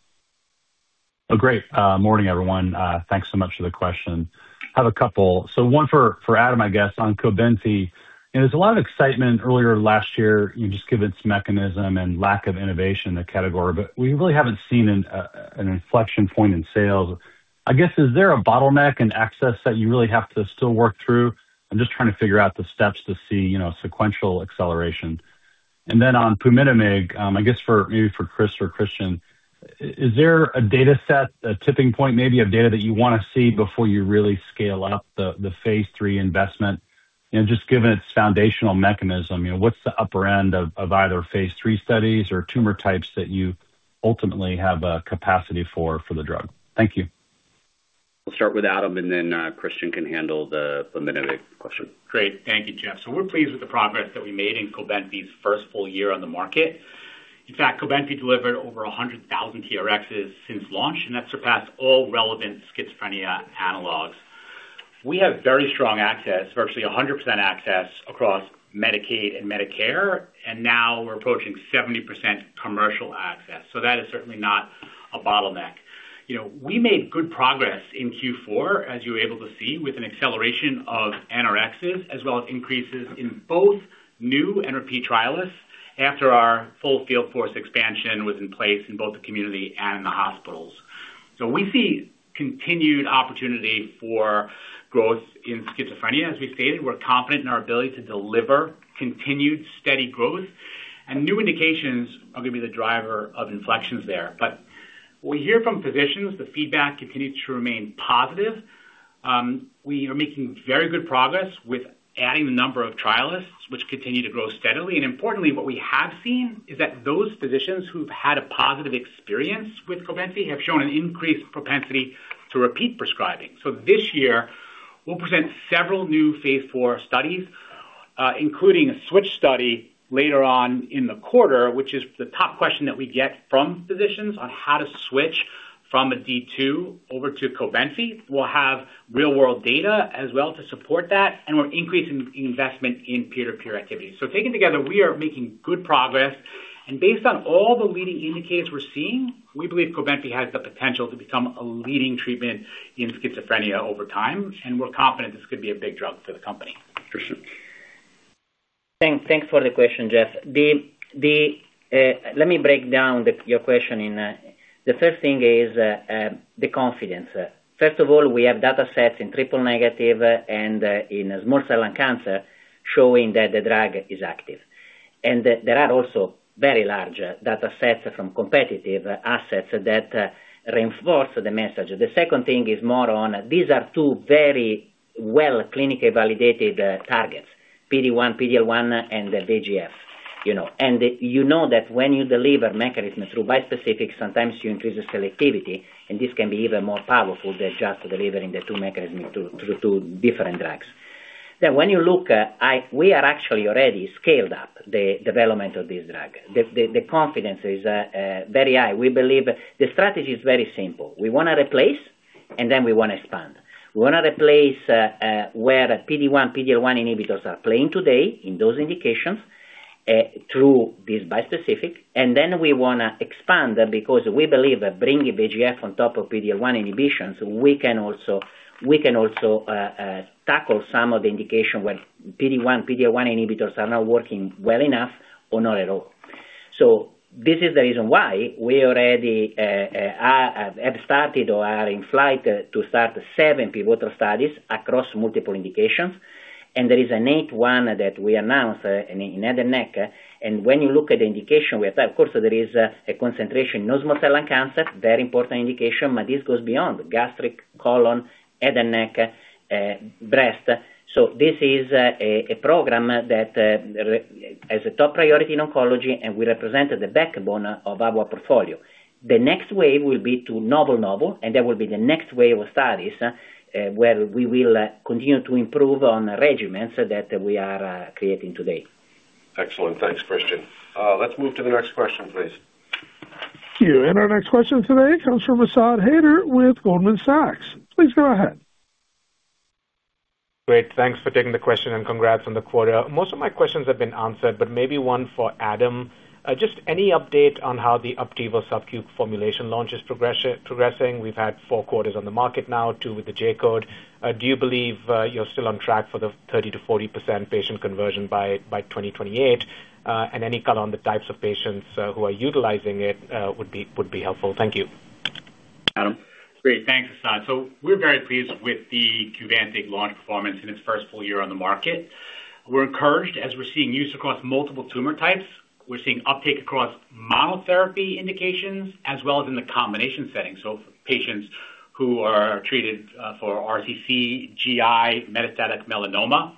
Oh, great. Morning, everyone. Thanks so much for the question. I have a couple. So one for Adam, I guess, on Cobenfy. There's a lot of excitement earlier last year, just given its mechanism and lack of innovation in the category. But we really haven't seen an inflection point in sales. I guess, is there a bottleneck in access that you really have to still work through? I'm just trying to figure out the steps to see sequential acceleration. And then on Fumitomab, I guess maybe for Chris or Christian, is there a dataset, a tipping point maybe of data that you want to see before you really scale up the phase III investment? Just given its foundational mechanism, what's the upper end of either phase III studies or tumor types that you ultimately have a capacity for for the drug? Thank you. We'll start with Adam, and then Christian can handle the Fumitomab question. Great. Thank you, Geoff. So we're pleased with the progress that we made in Cobenfy's first full year on the market. In fact, Cobenfy delivered over 100,000 TRXs since launch, and that surpassed all relevant schizophrenia analogs. We have very strong access, virtually 100% access, across Medicaid and Medicare. And now we're approaching 70% commercial access. So that is certainly not a bottleneck. We made good progress in Q4, as you were able to see, with an acceleration of NRXs as well as increases in both new NRP trialists after our full field force expansion was in place in both the community and in the hospitals. So we see continued opportunity for growth in schizophrenia, as we stated. We're confident in our ability to deliver continued steady growth. And new indications are going to be the driver of inflections there. But what we hear from physicians, the feedback continues to remain positive. We are making very good progress with adding the number of trialists, which continue to grow steadily. And importantly, what we have seen is that those physicians who've had a positive experience with Cobenfy have shown an increased propensity to repeat prescribing. So this year, we'll present several new phase IV studies, including a switch study later on in the quarter, which is the top question that we get from physicians on how to switch from a D2 over to Cobenfy. We'll have real-world data as well to support that. And we're increasing investment in peer-to-peer activity. So taken together, we are making good progress. And based on all the leading indicators we're seeing, we believe Cobenfy has the potential to become a leading treatment in schizophrenia over time. We're confident this could be a big drug for the company. Christian. Thanks for the question, Jeff. Let me break down your question. The first thing is the confidence. First of all, we have datasets in triple negative and in small cell lung cancer showing that the drug is active. And there are also very large datasets from competitive assets that reinforce the message. The second thing is more on these are two very well clinically validated targets, PD-1, PD-L1, and VEGF. And you know that when you deliver mechanism through bispecific, sometimes you increase the selectivity. And this can be even more powerful than just delivering the two mechanisms through two different drugs. Then when you look, we are actually already scaled up the development of this drug. The confidence is very high. The strategy is very simple. We want to replace, and then we want to expand. We want to replace where PD-1, PD-L1 inhibitors are playing today in those indications through this bispecific. Then we want to expand because we believe bringing VEGF on top of PD-L1 inhibition, we can also tackle some of the indications where PD-1, PD-L1 inhibitors are not working well enough or not at all. So this is the reason why we already have started or are in flight to start seven pivotal studies across multiple indications. There is an eighth one that we announced in head and neck. When you look at the indications we have, of course, there is a concentration in non-small cell lung cancer, very important indication. But this goes beyond gastric, colon, head and neck, breast. So this is a program that has a top priority in oncology, and we represent the backbone of our portfolio. The next wave will be to neoadjuvant. That will be the next wave of studies where we will continue to improve on regimens that we are creating today. Excellent. Thanks, Christian. Let's move to the next question, please. Thank you. Our next question today comes from Asad Haider with Goldman Sachs. Please go ahead. Great. Thanks for taking the question, and congrats on the quarter. Most of my questions have been answered, but maybe one for Adam. Just any update on how the Opdivo subcu formulation launch is progressing? We've had four quarters on the market now, two with the J-code. Do you believe you're still on track for the 30%-40% patient conversion by 2028? And any color on the types of patients who are utilizing it would be helpful. Thank you. Adam. Great. Thanks, Asad. So we're very pleased with the Opdivo launch performance in its first full year on the market. We're encouraged as we're seeing use across multiple tumor types. We're seeing uptake across monotherapy indications as well as in the combination setting, so patients who are treated for RCC, GI, metastatic melanoma.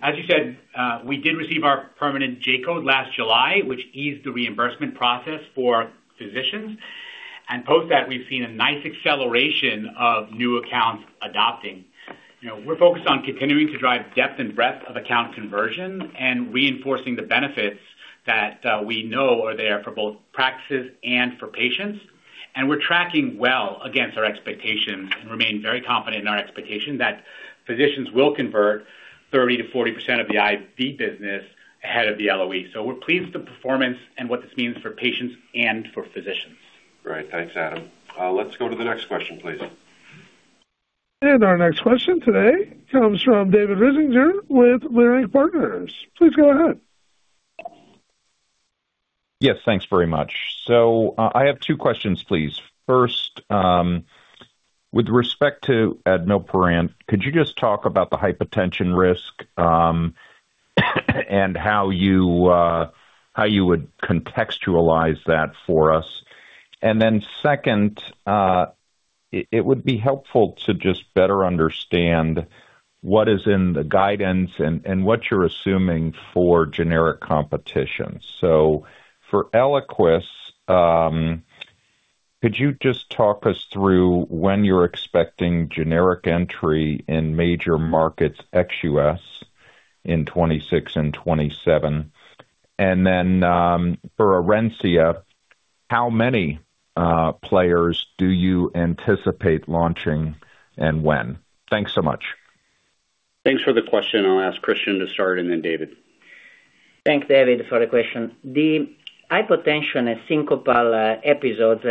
As you said, we did receive our permanent J-code last July, which eased the reimbursement process for physicians. And post that, we've seen a nice acceleration of new accounts adopting. We're focused on continuing to drive depth and breadth of account conversion and reinforcing the benefits that we know are there for both practices and for patients. And we're tracking well against our expectations and remain very confident in our expectation that physicians will convert 30%-40% of the IV business ahead of the LOE. So we're pleased with the performance and what this means for patients and for physicians. Great. Thanks, Adam. Let's go to the next question, please. Our next question today comes from David Risinger with Leerink Partners. Please go ahead. Yes. Thanks very much. So I have two questions, please. First, with respect to Admilparant, could you just talk about the hypotension risk and how you would contextualize that for us? And then second, it would be helpful to just better understand what is in the guidance and what you're assuming for generic competition. So for Eliquis, could you just talk us through when you're expecting generic entry in major markets, ex-US, in 2026 and 2027? And then for Orencia, how many players do you anticipate launching and when? Thanks so much. Thanks for the question. I'll ask Christian to start, and then David. Thanks, David, for the question. The hypotension and syncopal episodes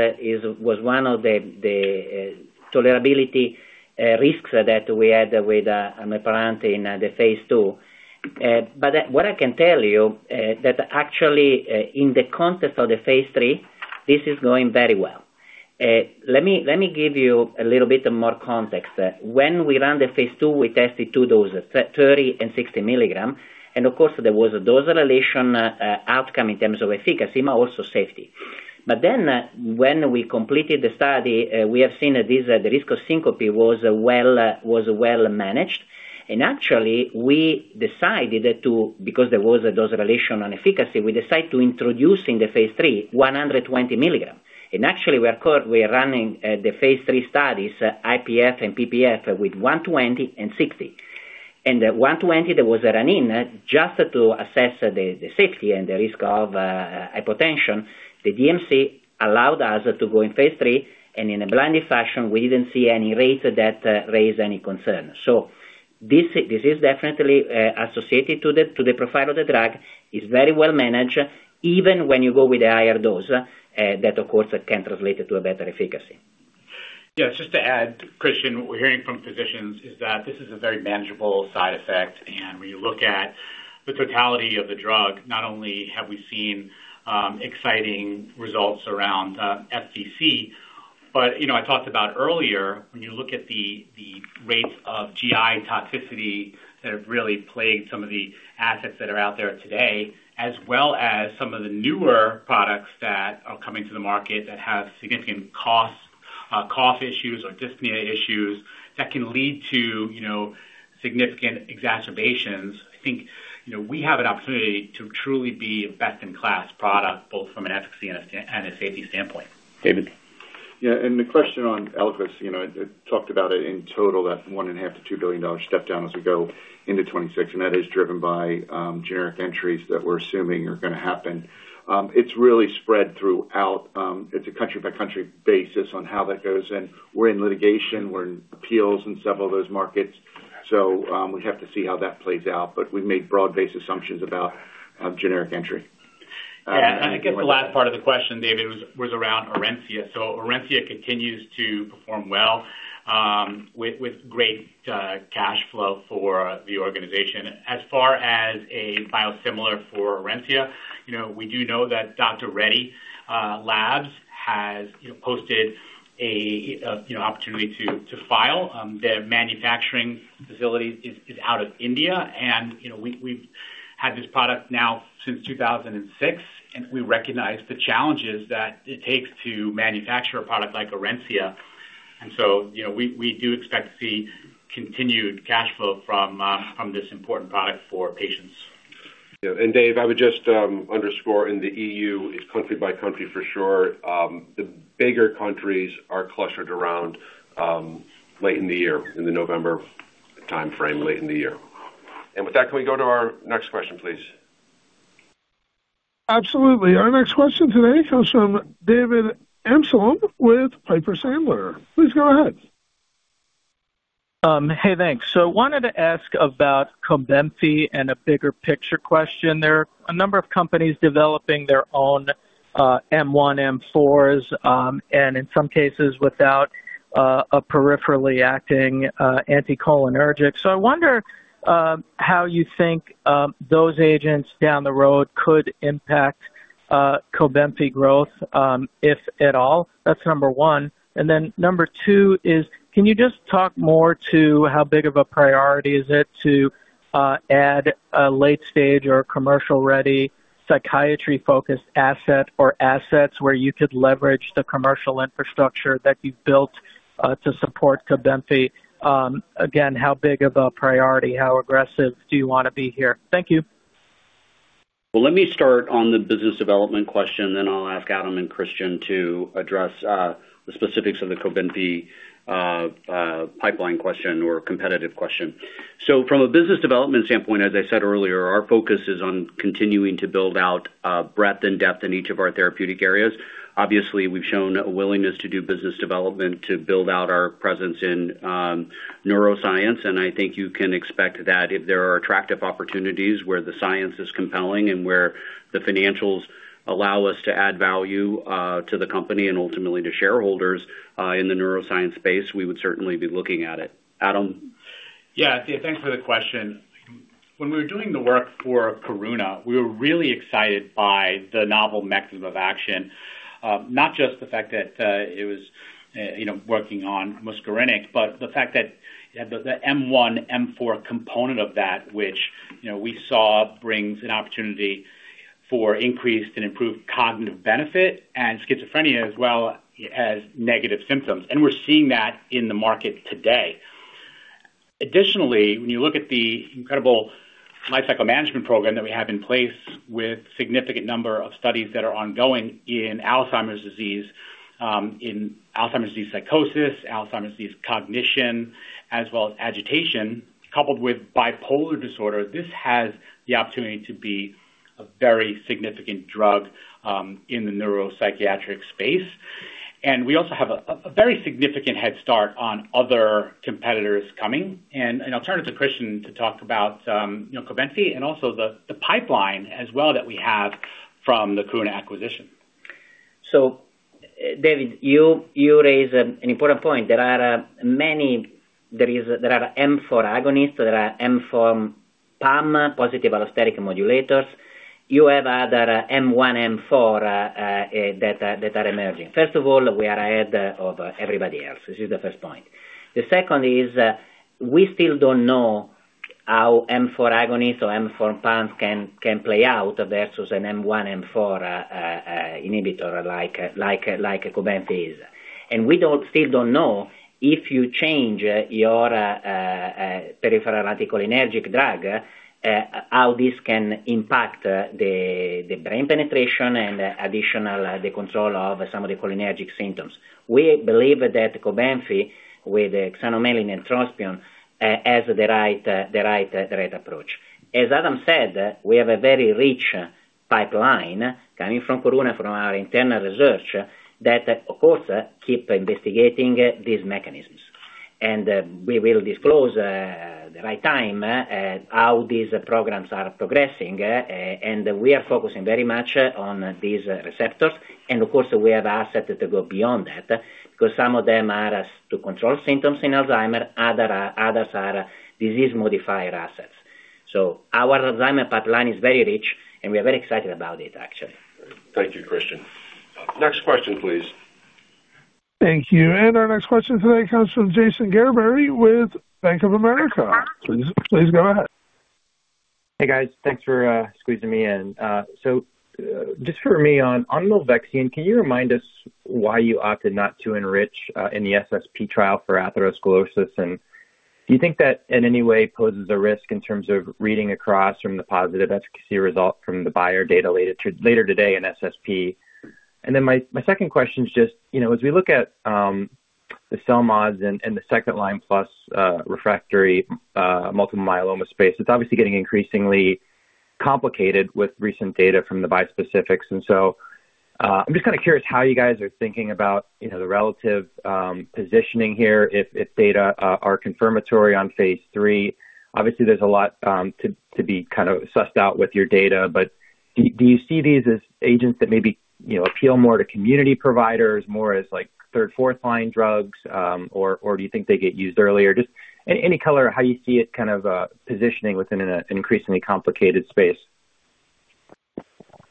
was one of the tolerability risks that we had with Admilparant in the phase II. But what I can tell you is that actually, in the context of the phase III, this is going very well. Let me give you a little bit more context. When we ran the phase II, we tested two doses, 30 and 60 milligram. And of course, there was a dose relation outcome in terms of efficacy, but also safety. But then when we completed the study, we have seen that the risk of syncope was well managed. And actually, we decided to because there was a dose relation on efficacy, we decided to introduce in the phase III 120 milligram. And actually, we are running the phase III studies, IPF and PPF, with 120 and 60. The 120, there was a run-in just to assess the safety and the risk of hypotension. The DMC allowed us to go in phase III. In a blinding fashion, we didn't see any rates that raised any concern. This is definitely associated to the profile of the drug. It's very well managed, even when you go with a higher dose that, of course, can translate to a better efficacy. Yeah. Just to add, Christian, what we're hearing from physicians is that this is a very manageable side effect. When you look at the totality of the drug, not only have we seen exciting results around FVC, but I talked about earlier, when you look at the rates of GI toxicity that have really plagued some of the assets that are out there today, as well as some of the newer products that are coming to the market that have significant cough issues or dyspnea issues that can lead to significant exacerbations, I think we have an opportunity to truly be a best-in-class product both from an efficacy and a safety standpoint. David. Yeah. And the question on Eliquis, I talked about it in total, that $1.5 billion-$2 billion stepdown as we go into 2026. And that is driven by generic entries that we're assuming are going to happen. It's really spread throughout. It's a country-by-country basis on how that goes. And we're in litigation. We're in appeals in several of those markets. So we have to see how that plays out. But we've made broad-based assumptions about generic entry. Yeah. I guess the last part of the question, David, was around Orencia. Orencia continues to perform well with great cash flow for the organization. As far as a biosimilar for Orencia, we do know that Dr. Reddy's Laboratories has posted an opportunity to file. Their manufacturing facility is out of India. We've had this product now since 2006. We recognize the challenges that it takes to manufacture a product like Orencia. We do expect to see continued cash flow from this important product for patients. Yeah. And Dave, I would just underscore in the EU, it's country-by-country for sure. The bigger countries are clustered around late in the year, in the November time frame, late in the year. And with that, can we go to our next question, please? Absolutely. Our next question today comes from David Amsellem with Piper Sandler. Please go ahead. Hey. Thanks. So I wanted to ask about Cobenfy and a bigger picture question. There are a number of companies developing their own M1, M4s, and in some cases without a peripherally acting anticholinergic. So I wonder how you think those agents down the road could impact Cobenfy growth, if at all. That's number one. And then number two is, can you just talk more to how big of a priority is it to add a late-stage or commercial-ready psychiatry-focused asset or assets where you could leverage the commercial infrastructure that you've built to support Cobenfy? Again, how big of a priority? How aggressive do you want to be here? Thank you. Well, let me start on the business development question. Then I'll ask Adam and Christian to address the specifics of the Cobenfy pipeline question or competitive question. So from a business development standpoint, as I said earlier, our focus is on continuing to build out breadth and depth in each of our therapeutic areas. Obviously, we've shown a willingness to do business development to build out our presence in neuroscience. And I think you can expect that if there are attractive opportunities where the science is compelling and where the financials allow us to add value to the company and ultimately to shareholders in the neuroscience space, we would certainly be looking at it. Adam? Yeah. Thanks for the question. When we were doing the work for Karuna, we were really excited by the novel mechanism of action, not just the fact that it was working on muscarinic, but the fact that the M1, M4 component of that, which we saw brings an opportunity for increased and improved cognitive benefit and schizophrenia as well as negative symptoms. And we're seeing that in the market today. Additionally, when you look at the incredible lifecycle management program that we have in place with a significant number of studies that are ongoing in Alzheimer's disease, in Alzheimer's disease psychosis, Alzheimer's disease cognition, as well as agitation, coupled with bipolar disorder, this has the opportunity to be a very significant drug in the neuropsychiatric space. And we also have a very significant head start on other competitors coming. I'll turn it to Christian to talk about Cobenfy and also the pipeline as well that we have from the Karuna acquisition. So David, you raised an important point. There are many that are M4 agonists, that are M4 PAM, positive allosteric modulators. You have other M1, M4 that are emerging. First of all, we are ahead of everybody else. This is the first point. The second is we still don't know how M4 agonists or M4 PAMs can play out versus an M1, M4 inhibitor like Cobenfy is. And we still don't know if you change your peripheral anticholinergic drug, how this can impact the brain penetration and additional control of some of the cholinergic symptoms. We believe that Cobenfy with xanomeline and trospium has the right approach. As Adam said, we have a very rich pipeline coming from Karuna and from our internal research that, of course, keeps investigating these mechanisms. And we will disclose at the right time how these programs are progressing. We are focusing very much on these receptors. Of course, we have assets to go beyond that because some of them are to control symptoms in Alzheimer's. Others are disease-modifier assets. Our Alzheimer's pipeline is very rich, and we are very excited about it, actually. Thank you, Christian. Next question, please. Thank you. Our next question today comes from Jason Gerberry with Bank of America. Please go ahead. Hey, guys. Thanks for squeezing me in. So just for me on Milvexian, can you remind us why you opted not to enrich in the SSP trial for atherosclerosis? And do you think that in any way poses a risk in terms of reading across from the positive efficacy result from the Bayer data later today in SSP? And then my second question is just as we look at the CELMoDs and the second-line plus refractory multiple myeloma space, it's obviously getting increasingly complicated with recent data from the bispecifics. And so I'm just kind of curious how you guys are thinking about the relative positioning here, if data are confirmatory on phase III. Obviously, there's a lot to be kind of sussed out with your data. But do you see these as agents that maybe appeal more to community providers, more as third, fourth-line drugs? Or do you think they get used earlier? Just any color, how you see it kind of positioning within an increasingly complicated space.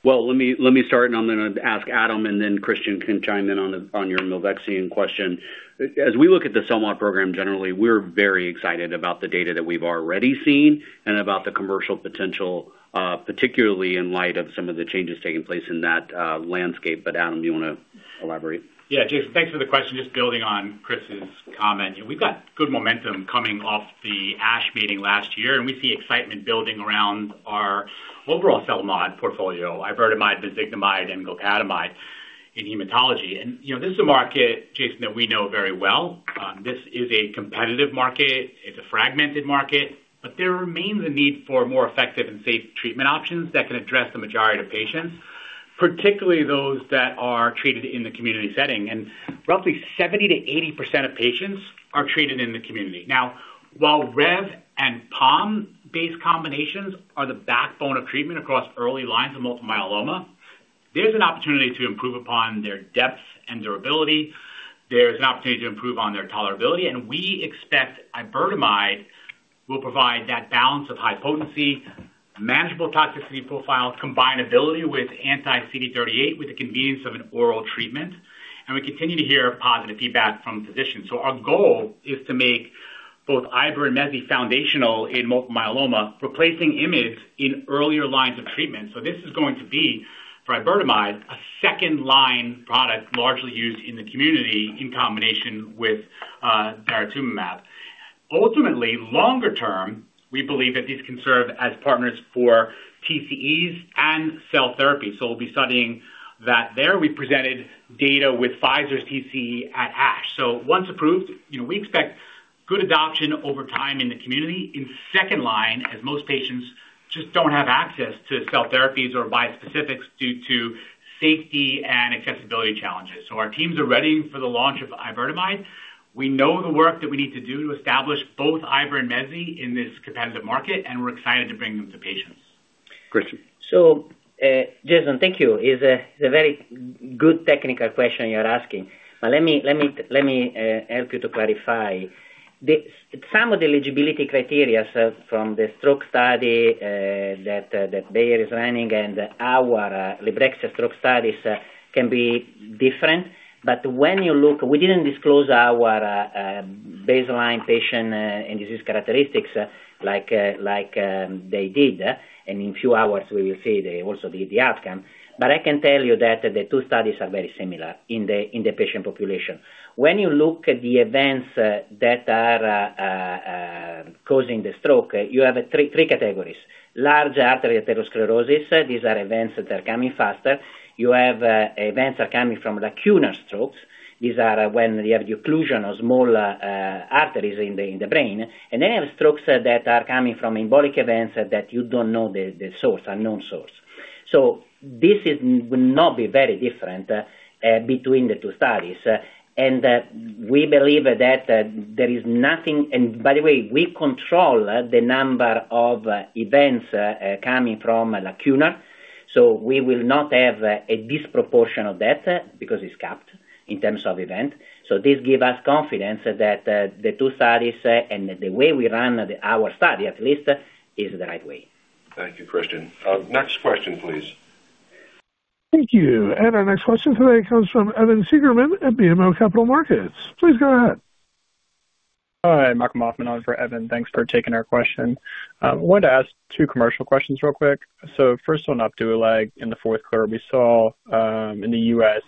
Well, let me start, and I'm going to ask Adam, and then Christian can chime in on your Milvexian question. As we look at the CELMoD program generally, we're very excited about the data that we've already seen and about the commercial potential, particularly in light of some of the changes taking place in that landscape. But Adam, do you want to elaborate? Yeah. Jason, thanks for the question. Just building on Chris's comment, we've got good momentum coming off the ASH meeting last year. And we see excitement building around our overall CELMoD portfolio, Iberdomide, mezigdomide, and golcadomide in hematology. And this is a market, Jason, that we know very well. This is a competitive market. It's a fragmented market. But there remains a need for more effective and safe treatment options that can address the majority of patients, particularly those that are treated in the community setting. And roughly 70%-80% of patients are treated in the community. Now, while Rev and Pom-based combinations are the backbone of treatment across early lines of multiple myeloma, there's an opportunity to improve upon their depth and durability. There's an opportunity to improve on their tolerability. We expect Iberdomide will provide that balance of high potency, manageable toxicity profile, combinability with anti-CD38 with the convenience of an oral treatment. We continue to hear positive feedback from physicians. Our goal is to make both Iber and Mezi foundational in multiple myeloma, replacing Revlimid in earlier lines of treatment. This is going to be, for Iberdomide, a second-line product largely used in the community in combination with daratumumab. Ultimately, longer term, we believe that these can serve as partners for TCEs and cell therapy. We'll be studying that there. We presented data with Pfizer's TCE at ASH. Once approved, we expect good adoption over time in the community in second line as most patients just don't have access to cell therapies or bispecifics due to safety and accessibility challenges. Our teams are ready for the launch of Iberdomide. We know the work that we need to do to establish both Iber and Mezi in this competitive market. We're excited to bring them to patients. Christian. So Jason, thank you. It's a very good technical question you're asking. But let me help you to clarify. Some of the eligibility criteria from the stroke study that Bayer is running and our Milvexian stroke studies can be different. But when you look, we didn't disclose our baseline patient and disease characteristics like they did. And in a few hours, we will see also the outcome. But I can tell you that the two studies are very similar in the patient population. When you look at the events that are causing the stroke, you have three categories: large artery atherosclerosis. These are events that are coming faster. You have events that are coming from lacunar strokes. These are when you have the occlusion of small arteries in the brain. And then you have strokes that are coming from embolic events that you don't know the source, unknown source. This will not be very different between the two studies. And we believe that there is nothing and by the way, we control the number of events coming from lacunar. So we will not have a disproportion of that because it's capped in terms of event. So this gives us confidence that the two studies and the way we run our study, at least, is the right way. Thank you, Christian. Next question, please. Thank you. Our next question today comes from Evan Seigerman at BMO Capital Markets. Please go ahead. Hi. Michael Hoffman on for Evan. Thanks for taking our question. I wanted to ask two commercial questions real quick. First on Opdualag in the fourth quarter we saw in the U.S.,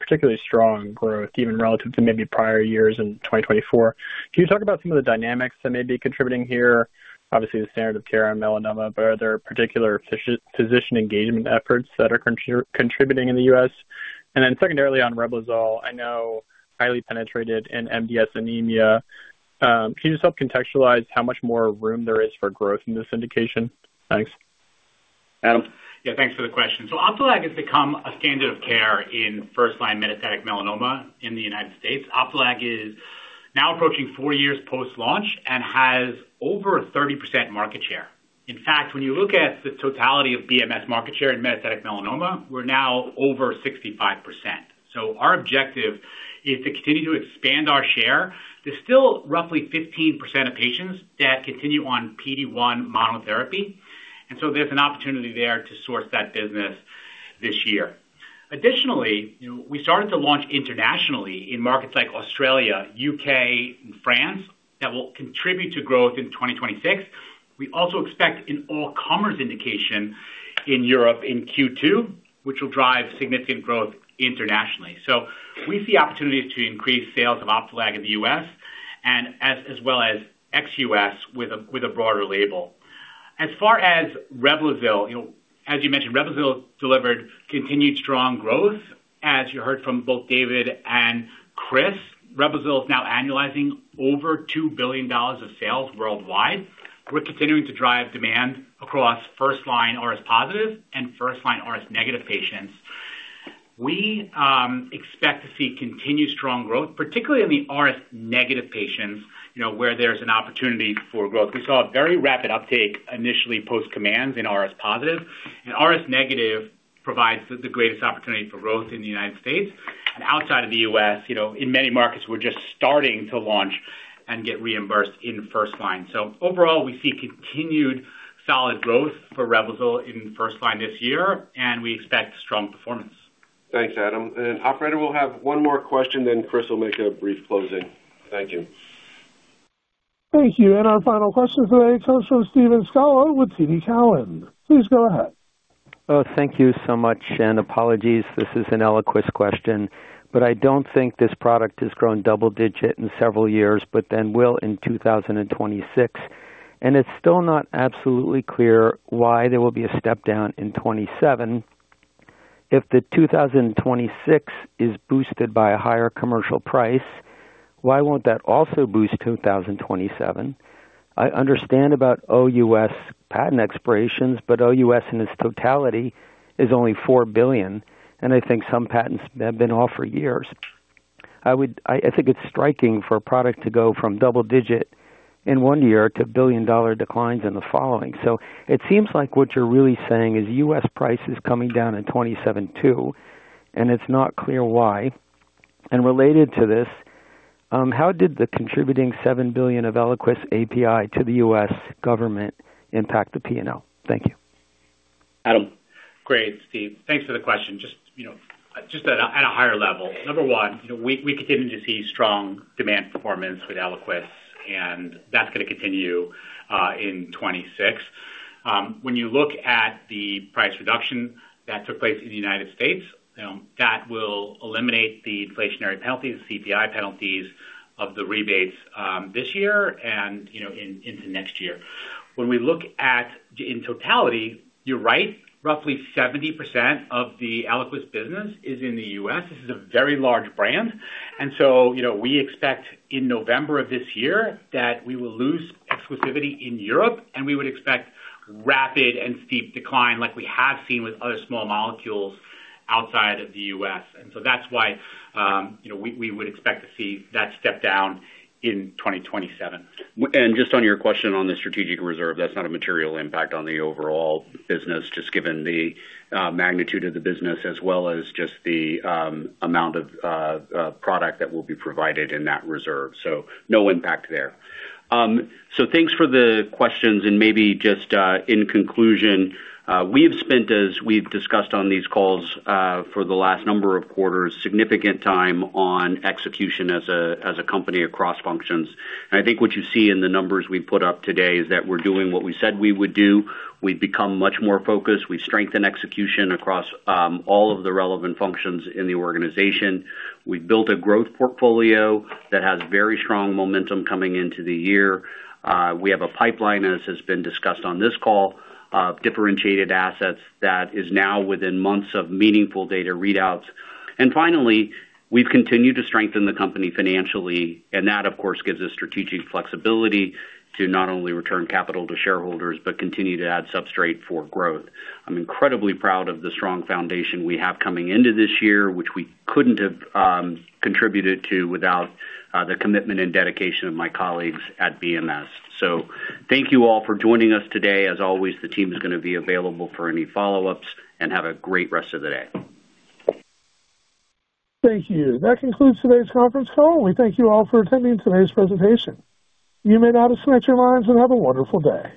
particularly strong growth even relative to maybe prior years in 2024. Can you talk about some of the dynamics that may be contributing here? Obviously, the standard of care on melanoma. But are there particular physician engagement efforts that are contributing in the U.S.? And then secondarily on Reblozyl, I know highly penetrated in MDS anemia. Can you just help contextualize how much more room there is for growth in this indication? Thanks. Adam, yeah. Thanks for the question. So Opdualag has become a standard of care in first-line metastatic melanoma in the United States. Opdualag is now approaching four years post-launch and has over 30% market share. In fact, when you look at the totality of BMS market share in metastatic melanoma, we're now over 65%. So our objective is to continue to expand our share. There's still roughly 15% of patients that continue on PD-1 monotherapy. And so there's an opportunity there to source that business this year. Additionally, we started to launch internationally in markets like Australia, U.K., and France that will contribute to growth in 2026. We also expect an all-comers indication in Europe in Q2, which will drive significant growth internationally. So we see opportunities to increase sales of Opdualag in the U.S. as well as ex-U.S. with a broader label. As far as Reblozyl, as you mentioned, Reblozyl delivered continued strong growth. As you heard from both David and Chris, Reblozyl is now annualizing over $2 billion of sales worldwide. We're continuing to drive demand across first-line RS positive and first-line RS negative patients. We expect to see continued strong growth, particularly in the RS negative patients where there's an opportunity for growth. We saw a very rapid uptake initially post-commands in RS positive. And RS negative provides the greatest opportunity for growth in the United States. And outside of the U.S., in many markets, we're just starting to launch and get reimbursed in first line. So overall, we see continued solid growth for Reblozyl in first line this year. And we expect strong performance. Thanks, Adam. Operator will have one more question. Chris will make a brief closing. Thank you. Thank you. Our final question today comes from Steve Scala with TD Cowen. Please go ahead. Oh, thank you so much. And apologies. This is an Eliquis question. But I don't think this product has grown double-digit in several years, but then will in 2026. And it's still not absolutely clear why there will be a step down in 2027. If the 2026 is boosted by a higher commercial price, why won't that also boost 2027? I understand about OUS patent expirations, but OUS in its totality is only $4 billion. And I think some patents have been off for years. I think it's striking for a product to go from double-digit in one year to billion-dollar declines in the following. So it seems like what you're really saying is U.S. prices coming down in 2027. And it's not clear why. And related to this, how did the contributing $7 billion of Eliquis API to the U.S. government impact the P&L? Thank you. Adam, great, Steve. Thanks for the question. Just at a higher level, number one, we continue to see strong demand performance with Eliquis. And that's going to continue in 2026. When you look at the price reduction that took place in the United States, that will eliminate the inflationary penalties, the CPI penalties of the rebates this year and into next year. When we look at in totality, you're right. Roughly 70% of the Eliquis business is in the U.S. This is a very large brand. And so we expect in November of this year that we will lose exclusivity in Europe. And we would expect rapid and steep decline like we have seen with other small molecules outside of the U.S. And so that's why we would expect to see that step down in 2027. Just on your question on the strategic reserve, that's not a material impact on the overall business just given the magnitude of the business as well as just the amount of product that will be provided in that reserve. No impact there. Thanks for the questions. Maybe just in conclusion, we have spent, as we've discussed on these calls for the last number of quarters, significant time on execution as a company across functions. And I think what you see in the numbers we put up today is that we're doing what we said we would do. We've become much more focused. We've strengthened execution across all of the relevant functions in the organization. We've built a growth portfolio that has very strong momentum coming into the year. We have a pipeline, as has been discussed on this call, of differentiated assets that is now within months of meaningful data readouts. Finally, we've continued to strengthen the company financially. That, of course, gives us strategic flexibility to not only return capital to shareholders but continue to add substrate for growth. I'm incredibly proud of the strong foundation we have coming into this year, which we couldn't have contributed to without the commitment and dedication of my colleagues at BMS. So thank you all for joining us today. As always, the team is going to be available for any follow-ups. Have a great rest of the day. Thank you. That concludes today's conference call. We thank you all for attending today's presentation. You may now just connect your lines and have a wonderful day.